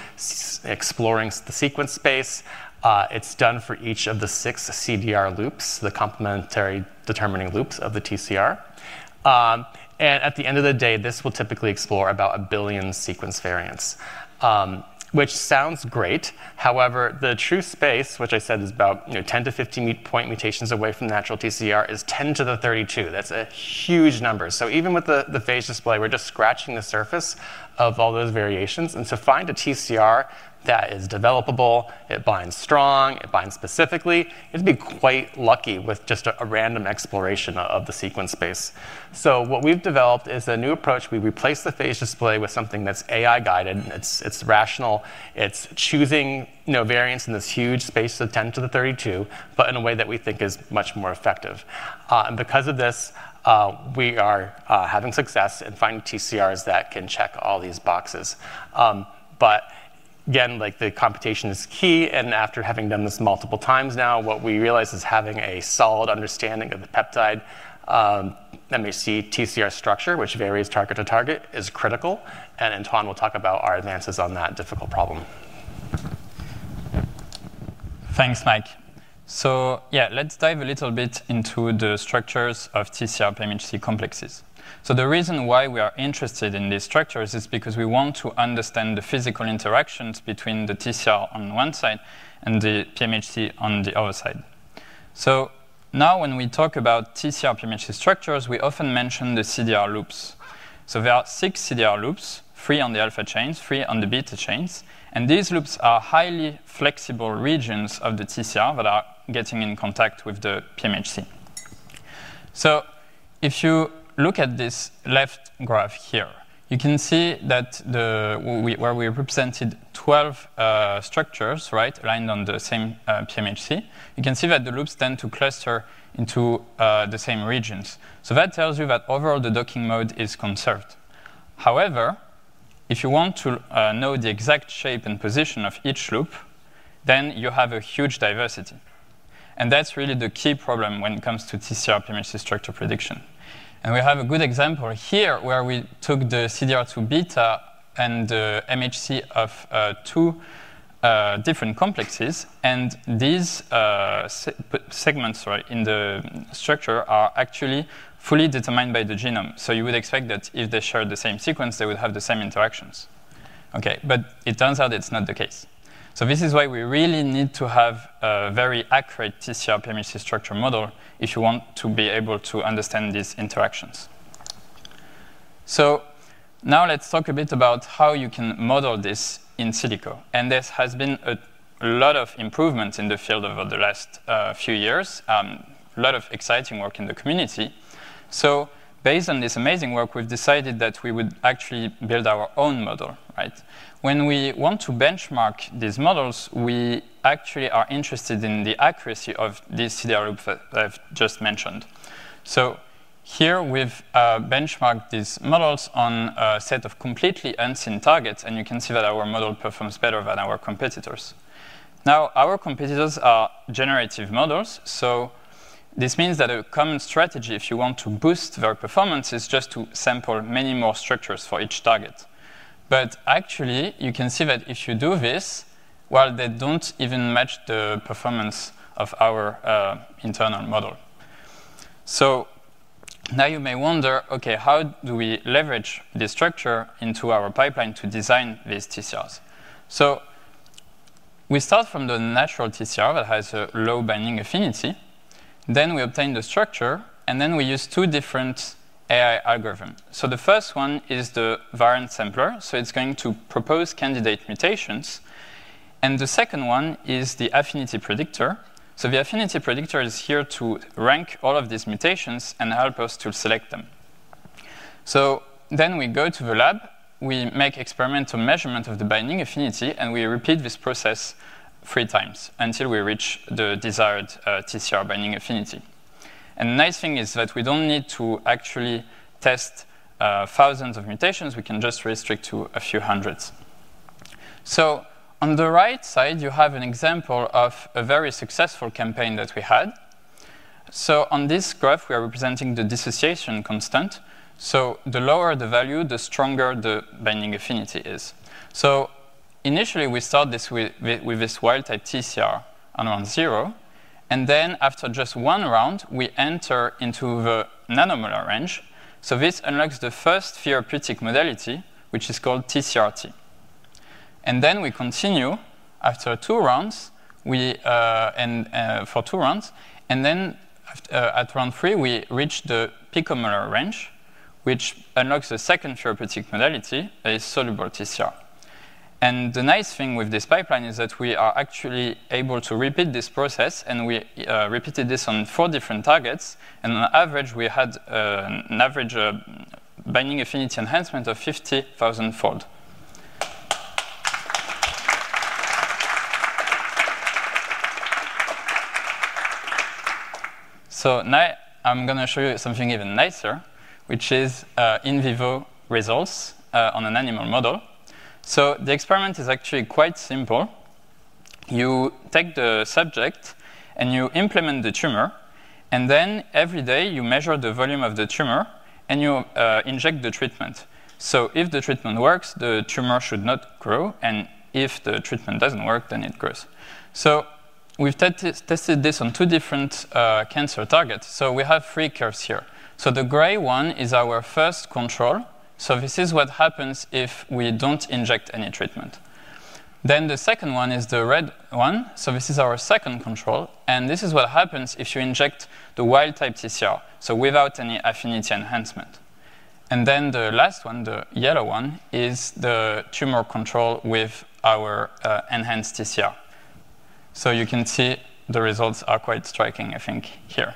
exploring the sequence space. It's done for each of the six CDR loops, the complementary determining loops of the TCR. At the end of the day, this will typically explore about a billion sequence variants, which sounds great. However, the true space, which I said is about 10-15 point mutations away from the natural TCR, is 10 to the 32. That is a huge number. Even with the phage display, we're just scratching the surface of all those variations. To find a TCR that is developable, it binds strong, it binds specifically, you'd be quite lucky with just a random exploration of the sequence space. What we've developed is a new approach. We replaced the phage display with something that's AI-guided, and it's rational. It's choosing variants in this huge space of 10 to the 32, but in a way that we think is much more effective. Because of this, we are having success in finding TCRs that can check all these boxes. The computation is key. After having done this multiple times now, what we realize is having a solid understanding of the peptide MHC TCR structure, which varies target to target, is critical. Antoine will talk about our advances on that difficult problem. Thanks, Mike. Let's dive a little bit into the structures of TCR-pMHC complexes. The reason why we are interested in these structures is because we want to understand the physical interactions between the TCR on one side and the PMHC on the other side. When we talk about TCR-pMHC structures, we often mention the CDR loops. There are six CDR loops, three on the alpha chains, three on the beta chains. These loops are highly flexible regions of the TCR that are getting in contact with the pMHC. If you look at this left graph here, you can see that where we represented 12 structures aligned on the same pMHC, the loops tend to cluster into the same regions. That tells you that overall the docking mode is conserved. However, if you want to know the exact shape and position of each loop, then you have a huge diversity. That's really the key problem when it comes to TCR-pMHC structure prediction. We have a good example here where we took the CDR2 beta and the MHC of two different complexes. These segments in the structure are actually fully determined by the genome. You would expect that if they share the same sequence, they would have the same interactions. It turns out it's not the case. This is why we really need to have a very accurate TCR-pMHC structure model if you want to be able to understand these interactions. Let's talk a bit about how you can model this in silico. There has been a lot of improvements in the field over the last few years, a lot of exciting work in the community. Based on this amazing work, we've decided that we would actually build our own model. When we want to benchmark these models, we actually are interested in the accuracy of these CDR loops that I've just mentioned. Here, we've benchmarked these models on a set of completely unseen targets. You can see that our model performs better than our competitors. Our competitors are generative models. This means that a common strategy, if you want to boost their performance, is just to sample many more structures for each target. Actually, you can see that if you do this, they don't even match the performance of our internal model. You may wonder, how do we leverage this structure into our pipeline to design these TCRs? We start from the natural TCR that has a low binding affinity. We obtain the structure, and we use two different AI algorithms. The first one is the variant sampler. It's going to propose candidate mutations. The second one is the affinity predictor. The affinity predictor is here to rank all of these mutations and help us to select them. We go to the lab, make experimental measurements of the binding affinity, and repeat this process three times until we reach the desired TCR binding affinity. The nice thing is that we don't need to actually test thousands of mutations. We can just restrict to a few hundreds. On the right side, you have an example of a very successful campaign that we had. On this graph, we are representing the dissociation constant. The lower the value, the stronger the binding affinity is. Initially, we start this with this wild type TCR around 0. After just one round, we enter into the nanomolar range. This unlocks the first therapeutic modality, which is called TCR-T. We continue for two rounds. At round three, we reach the picomolar range, which unlocks the second therapeutic modality, a soluble TCR. The nice thing with this pipeline is that we are actually able to repeat this process. We repeated this on four different targets. On average, we had an average binding affinity enhancement of 50,000 fold. Now I'm going to show you something even nicer, which is in vivo results on an animal model. The experiment is actually quite simple. You take the subject, and you implement the tumor. Every day, you measure the volume of the tumor, and you inject the treatment. If the treatment works, the tumor should not grow. If the treatment doesn't work, then it grows. We've tested this on two different cancer targets. We have three curves here. The gray one is our first control. This is what happens if we don't inject any treatment. The second one is the red one. This is our second control. This is what happens if you inject the wild type TCR, so without any affinity enhancement. The last one, the yellow one, is the tumor control with our enhanced TCR. You can see the results are quite striking, I think, here.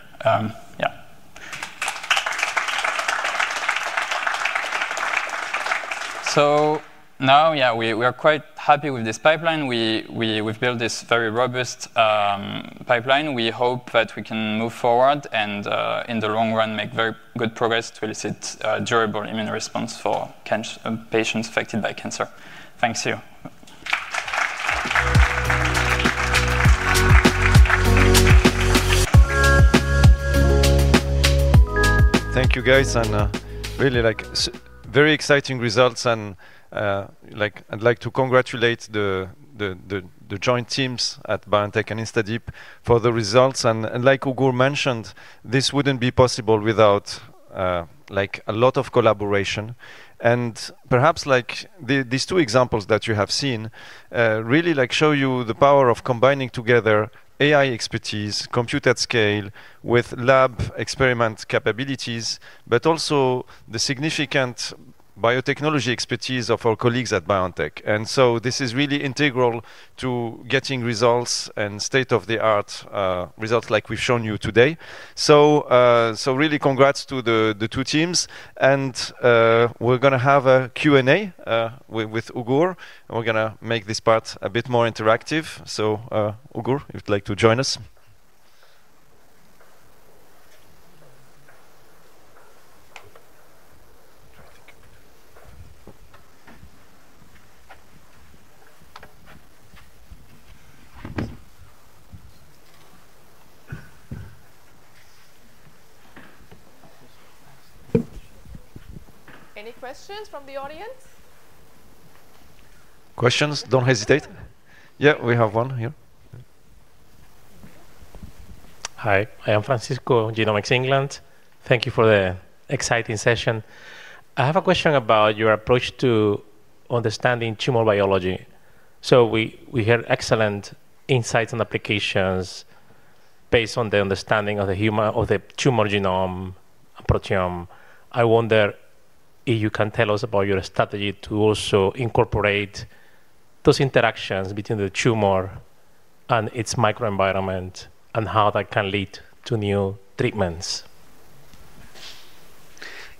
We are quite happy with this pipeline. We've built this very robust pipeline. We hope that we can move forward and, in the long run, make very good progress to elicit a durable immune response for patients affected by cancer. Thanks to you. Thank you, guys. Really, very exciting results. I'd like to congratulate the joint teams at BioNTech and InstaDeep for the results. Like Ugur mentioned, this wouldn't be possible without a lot of collaboration. Perhaps these two examples that you have seen really show you the power of combining together AI expertise, compute at scale, with lab experiment capabilities, but also the significant biotechnology expertise of our colleagues at BioNTech. This is really integral to getting results and state-of-the-art results like we've shown you today. Really, congrats to the two teams. We're going to have a Q&A with Ugur. We're going to make this part a bit more interactive. Ugur, if you'd like to join us. Any questions from the audience? Questions, don't hesitate. Yeah, we have one here. Hi. I am Francisco of Genomics England. Thank you for the exciting session. I have a question about your approach to understanding tumor biology. We heard excellent insights and applications based on the understanding of the tumor genome proteome. I wonder if you can tell us about your strategy to also incorporate those interactions between the tumor and its microenvironment and how that can lead to new treatments.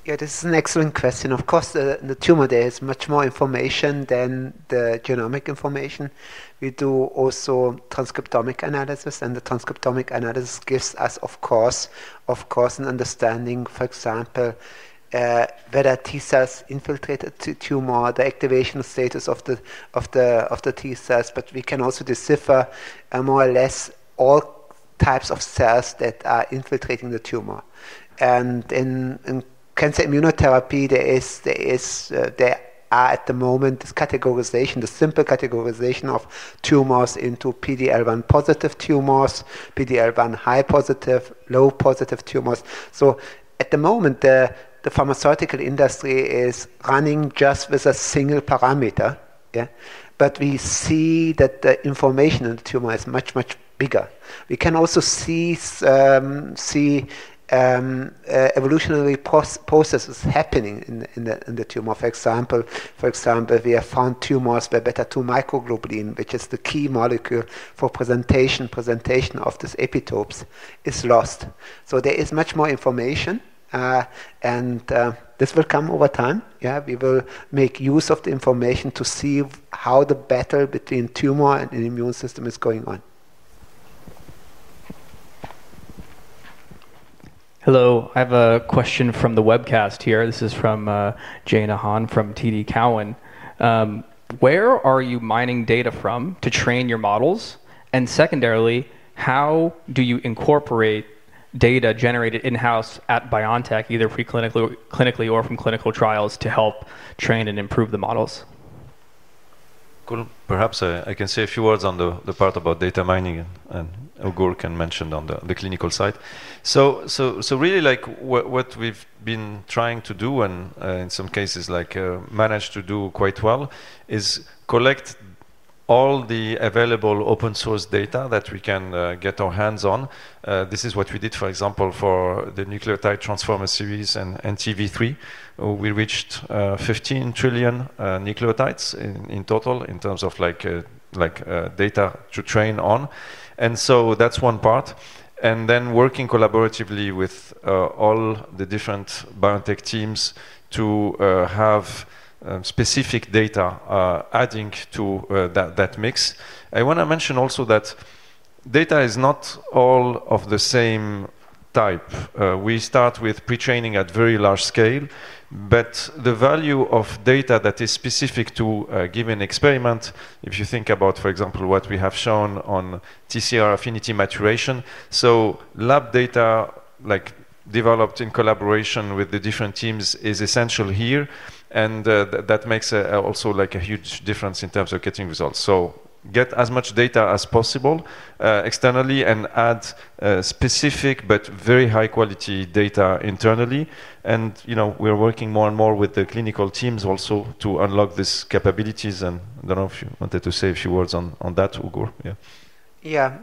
Yeah, this is an excellent question. Of course, in the tumor, there is much more information than the genomic information. We do also transcriptomic analysis. The transcriptomic analysis gives us, of course, an understanding, for example, whether T cells infiltrate the tumor, the activation status of the T cells. We can also decipher more or less all types of cells that are infiltrating the tumor. In cancer immunotherapy, there is, there are at the moment, this categorization, the simple categorization of tumors into PD-L1 positive tumors, PD-L1 high positive, low positive tumors. At the moment, the pharmaceutical industry is running just with a single parameter. Yeah. We see that the information in the tumor is much, much bigger. We can also see evolutionary processes happening in the tumor. For example, we have found tumors where beta-2 microglobulin, which is the key molecule for presentation of these epitopes, is lost. There is much more information. This will come over time. Yeah, we will make use of the information to see how the battle between tumor and the immune system is going on. Hello. I have a question from the webcast here. This is from Jane Han from TD Cowen. Where are you mining data from to train your models? Secondarily, how do you incorporate data generated in-house at BioNTech, either clinically or from clinical trials, to help train and improve the models? Perhaps I can say a few words on the part about data mining and Ugur can mention on the clinical side. What we've been trying to do and in some cases managed to do quite well is collect all the available open source data that we can get our hands on. This is what we did, for example, for the Nucleotide Transformer series and NTv3. We reached 15 trillion nucleotides in total in terms of data to train on. That's one part. Then working collaboratively with all the different BioNTech teams to have specific data adding to that mix. I want to mention also that data is not all of the same type. We start with pre-training at very large scale. The value of data that is specific to a given experiment, if you think about, for example, what we have shown on T cell receptor affinity maturation. Lab data developed in collaboration with the different teams is essential here. That makes also a huge difference in terms of getting results. Get as much data as possible externally and add specific but very high-quality data internally. We're working more and more with the clinical teams also to unlock these capabilities. I don't know if you wanted to say a few words on that, Ugur. Yeah.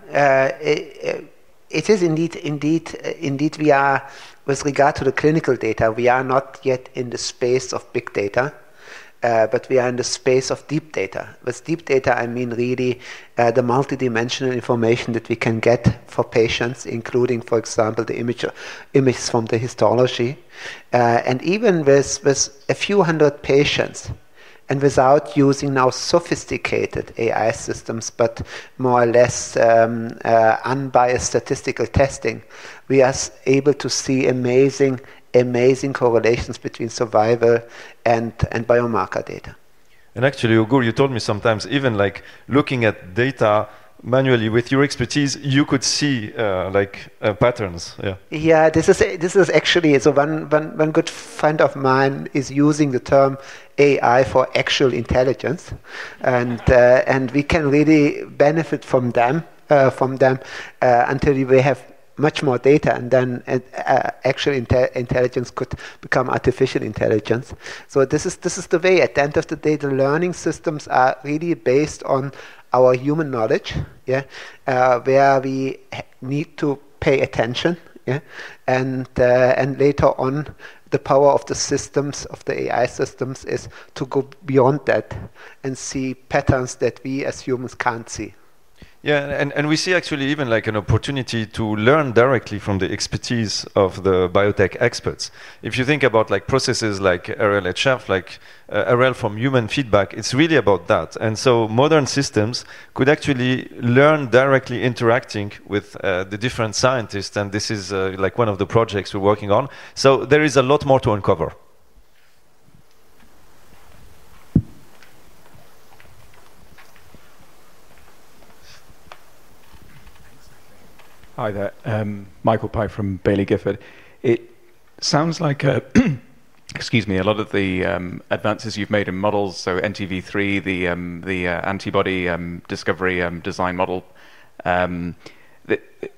It is indeed we are, with regard to the clinical data, we are not yet in the space of big data. We are in the space of deep data. With deep data, I mean really the multidimensional information that we can get for patients, including, for example, the image from the histology. Even with a few hundred patients and without using now sophisticated AI systems, but more or less unbiased statistical testing, we are able to see amazing, amazing correlations between survival and biomarker data. Ugur, you told me sometimes even looking at data manually with your expertise, you could see patterns. Yeah. This is actually, so one good friend of mine is using the term AI for actual intelligence. We can really benefit from them until we have much more data. Then actual intelligence could become artificial intelligence. This is the way, at the end of the day, the learning systems are really based on our human knowledge, where we need to pay attention. Later on, the power of the systems, of the AI systems, is to go beyond that and see patterns that we as humans can't see. Yeah. We see actually even an opportunity to learn directly from the expertise of the BioNTech experts. If you think about processes like RLHF, like RL from human feedback, it's really about that. Modern systems could actually learn directly interacting with the different scientists. This is one of the projects we're working on. There is a lot more to uncover. Hi there. Michael Pye from Baillie Gifford. It sounds like a lot of the advances you've made in models, so NTv3, the antibody discovery design model,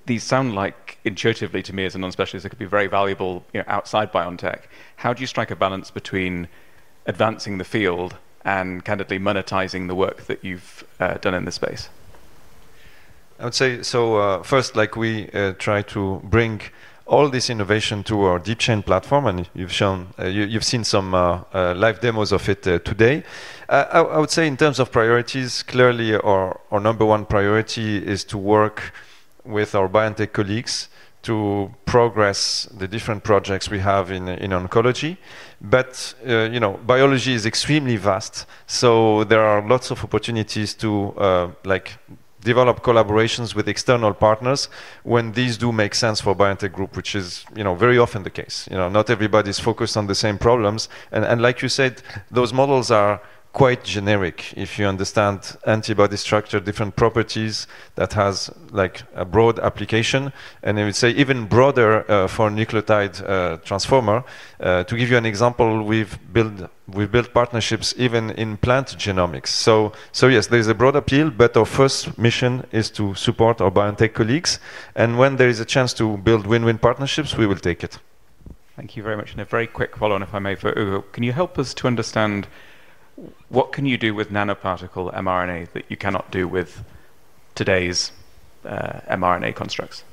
these sound like intuitively to me as a non-specialist that could be very valuable outside BioNTech. How do you strike a balance between advancing the field and candidly monetizing the work that you've done in this space? I would say, first, we try to bring all this innovation to our DeepChain platform. You've seen some live demos of it today. I would say in terms of priorities, clearly our number one priority is to work with our BioNTech colleagues to progress the different projects we have in oncology. Biology is extremely vast, so there are lots of opportunities to develop collaborations with external partners when these do make sense for BioNTech Group, which is very often the case. Not everybody is focused on the same problems. Like you said, those models are quite generic if you understand antibody structure, different properties, that has a broad application. I would say even broader for a Nucleotide Transformer. To give you an example, we've built partnerships even in plant genomics. Yes, there's a broad appeal. Our first mission is to support our BioNTech colleagues, and when there is a chance to build win-win partnerships, we will take it. Thank you very much. A very quick follow-on, if I may, for Ugur. Can you help us to understand what can you do with nanoparticle mRNA that you cannot do with today's mRNA constructs?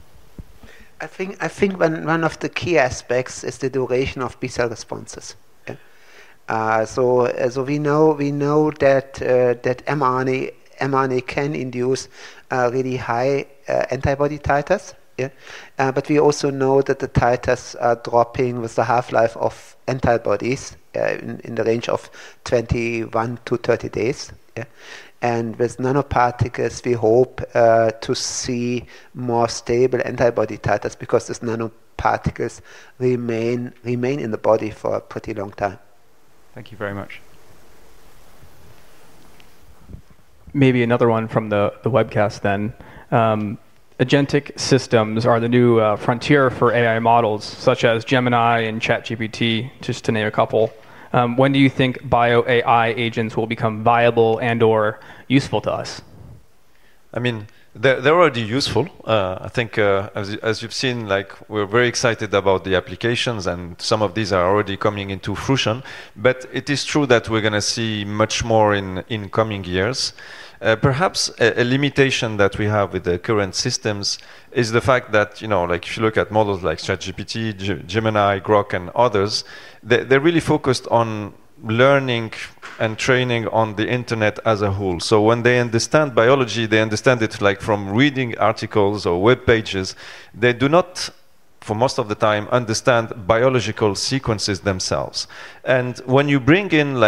I think one of the key aspects is the duration of B cell responses. We know that mRNA can induce really high antibody titers, but we also know that the titers are dropping with the half-life of antibodies in the range of 21-30 days. With nanoparticles, we hope to see more stable antibody titers because these nanoparticles remain in the body for a pretty long time. Thank you very much. Maybe another one from the webcast then. Agentic systems are the new frontier for AI models, such as Gemini and ChatGPT, just to name a couple. When do you think bio-AI agents will become viable and/or useful to us? I mean, they're already useful. I think, as you've seen, we're very excited about the applications. Some of these are already coming into fruition. It is true that we're going to see much more in coming years. Perhaps a limitation that we have with the current systems is the fact that if you look at models like ChatGPT, Gemini, Grok, and others, they're really focused on learning and training on the internet as a whole. When they understand biology, they understand it from reading articles or web pages. They do not, for most of the time, understand biological sequences themselves. When you bring in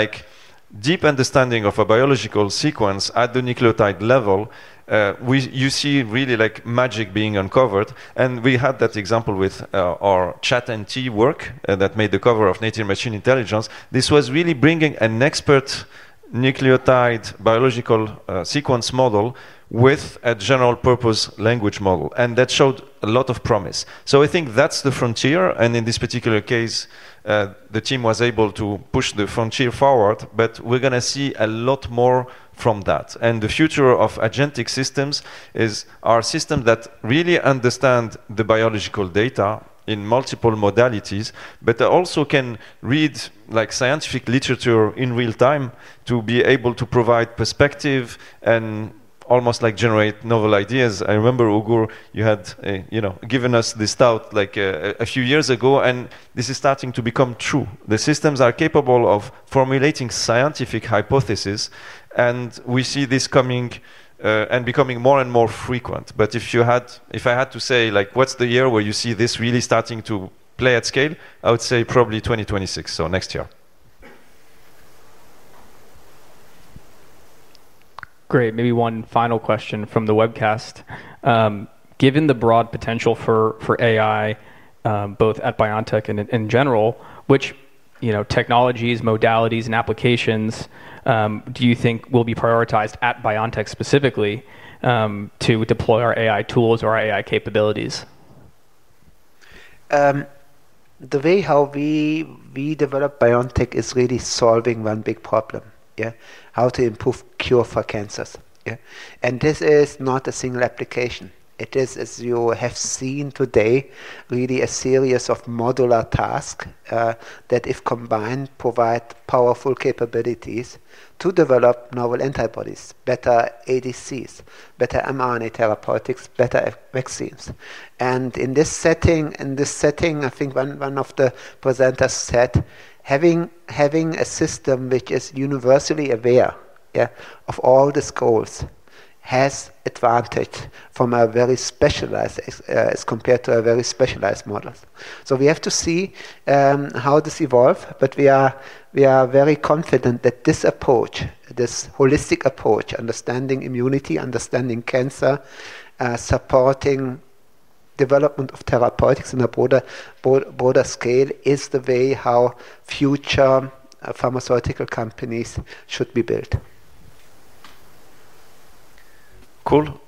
deep understanding of a biological sequence at the nucleotide level, you see really magic being uncovered. We had that example with our ChatNT work that made the cover of Nature Machine Intelligence. This was really bringing an expert nucleotide biological sequence model with a general purpose language model. That showed a lot of promise. I think that's the frontier. In this particular case, the team was able to push the frontier forward. We're going to see a lot more from that. The future of agentic AI systems is our system that really understands the biological data in multiple modalities, but also can read scientific literature in real time to be able to provide perspective and almost generate novel ideas. I remember, Ugur, you had given us this thought a few years ago. This is starting to become true. The systems are capable of formulating scientific hypotheses. We see this coming and becoming more and more frequent. If I had to say, what's the year where you see this really starting to play at scale? I would say probably 2026, so next year. Great. Maybe one final question from the webcast. Given the broad potential for AI, both at BioNTech and in general, which technologies, modalities, and applications do you think will be prioritized at BioNTech specifically to deploy our AI tools or our AI capabilities? The way how we develop BioNTech is really solving one big problem, how to improve cure for cancers. This is not a single application. It is, as you have seen today, really a series of modular tasks that, if combined, provide powerful capabilities to develop novel antibodies, better ADCs, better mRNA therapeutics, better vaccines. In this setting, I think one of the presenters said, having a system which is universally aware of all these goals has advantages as compared to a very specialized model. We have to see how this evolves. We are very confident that this approach, this holistic approach, understanding immunity, understanding cancer, supporting development of therapeutics in a broader scale is the way how future pharmaceutical companies should be built.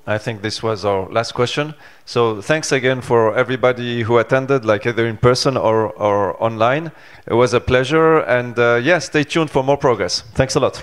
I think this was our last question. Thanks again for everybody who attended, either in person or online. It was a pleasure. Stay tuned for more progress. Thanks a lot.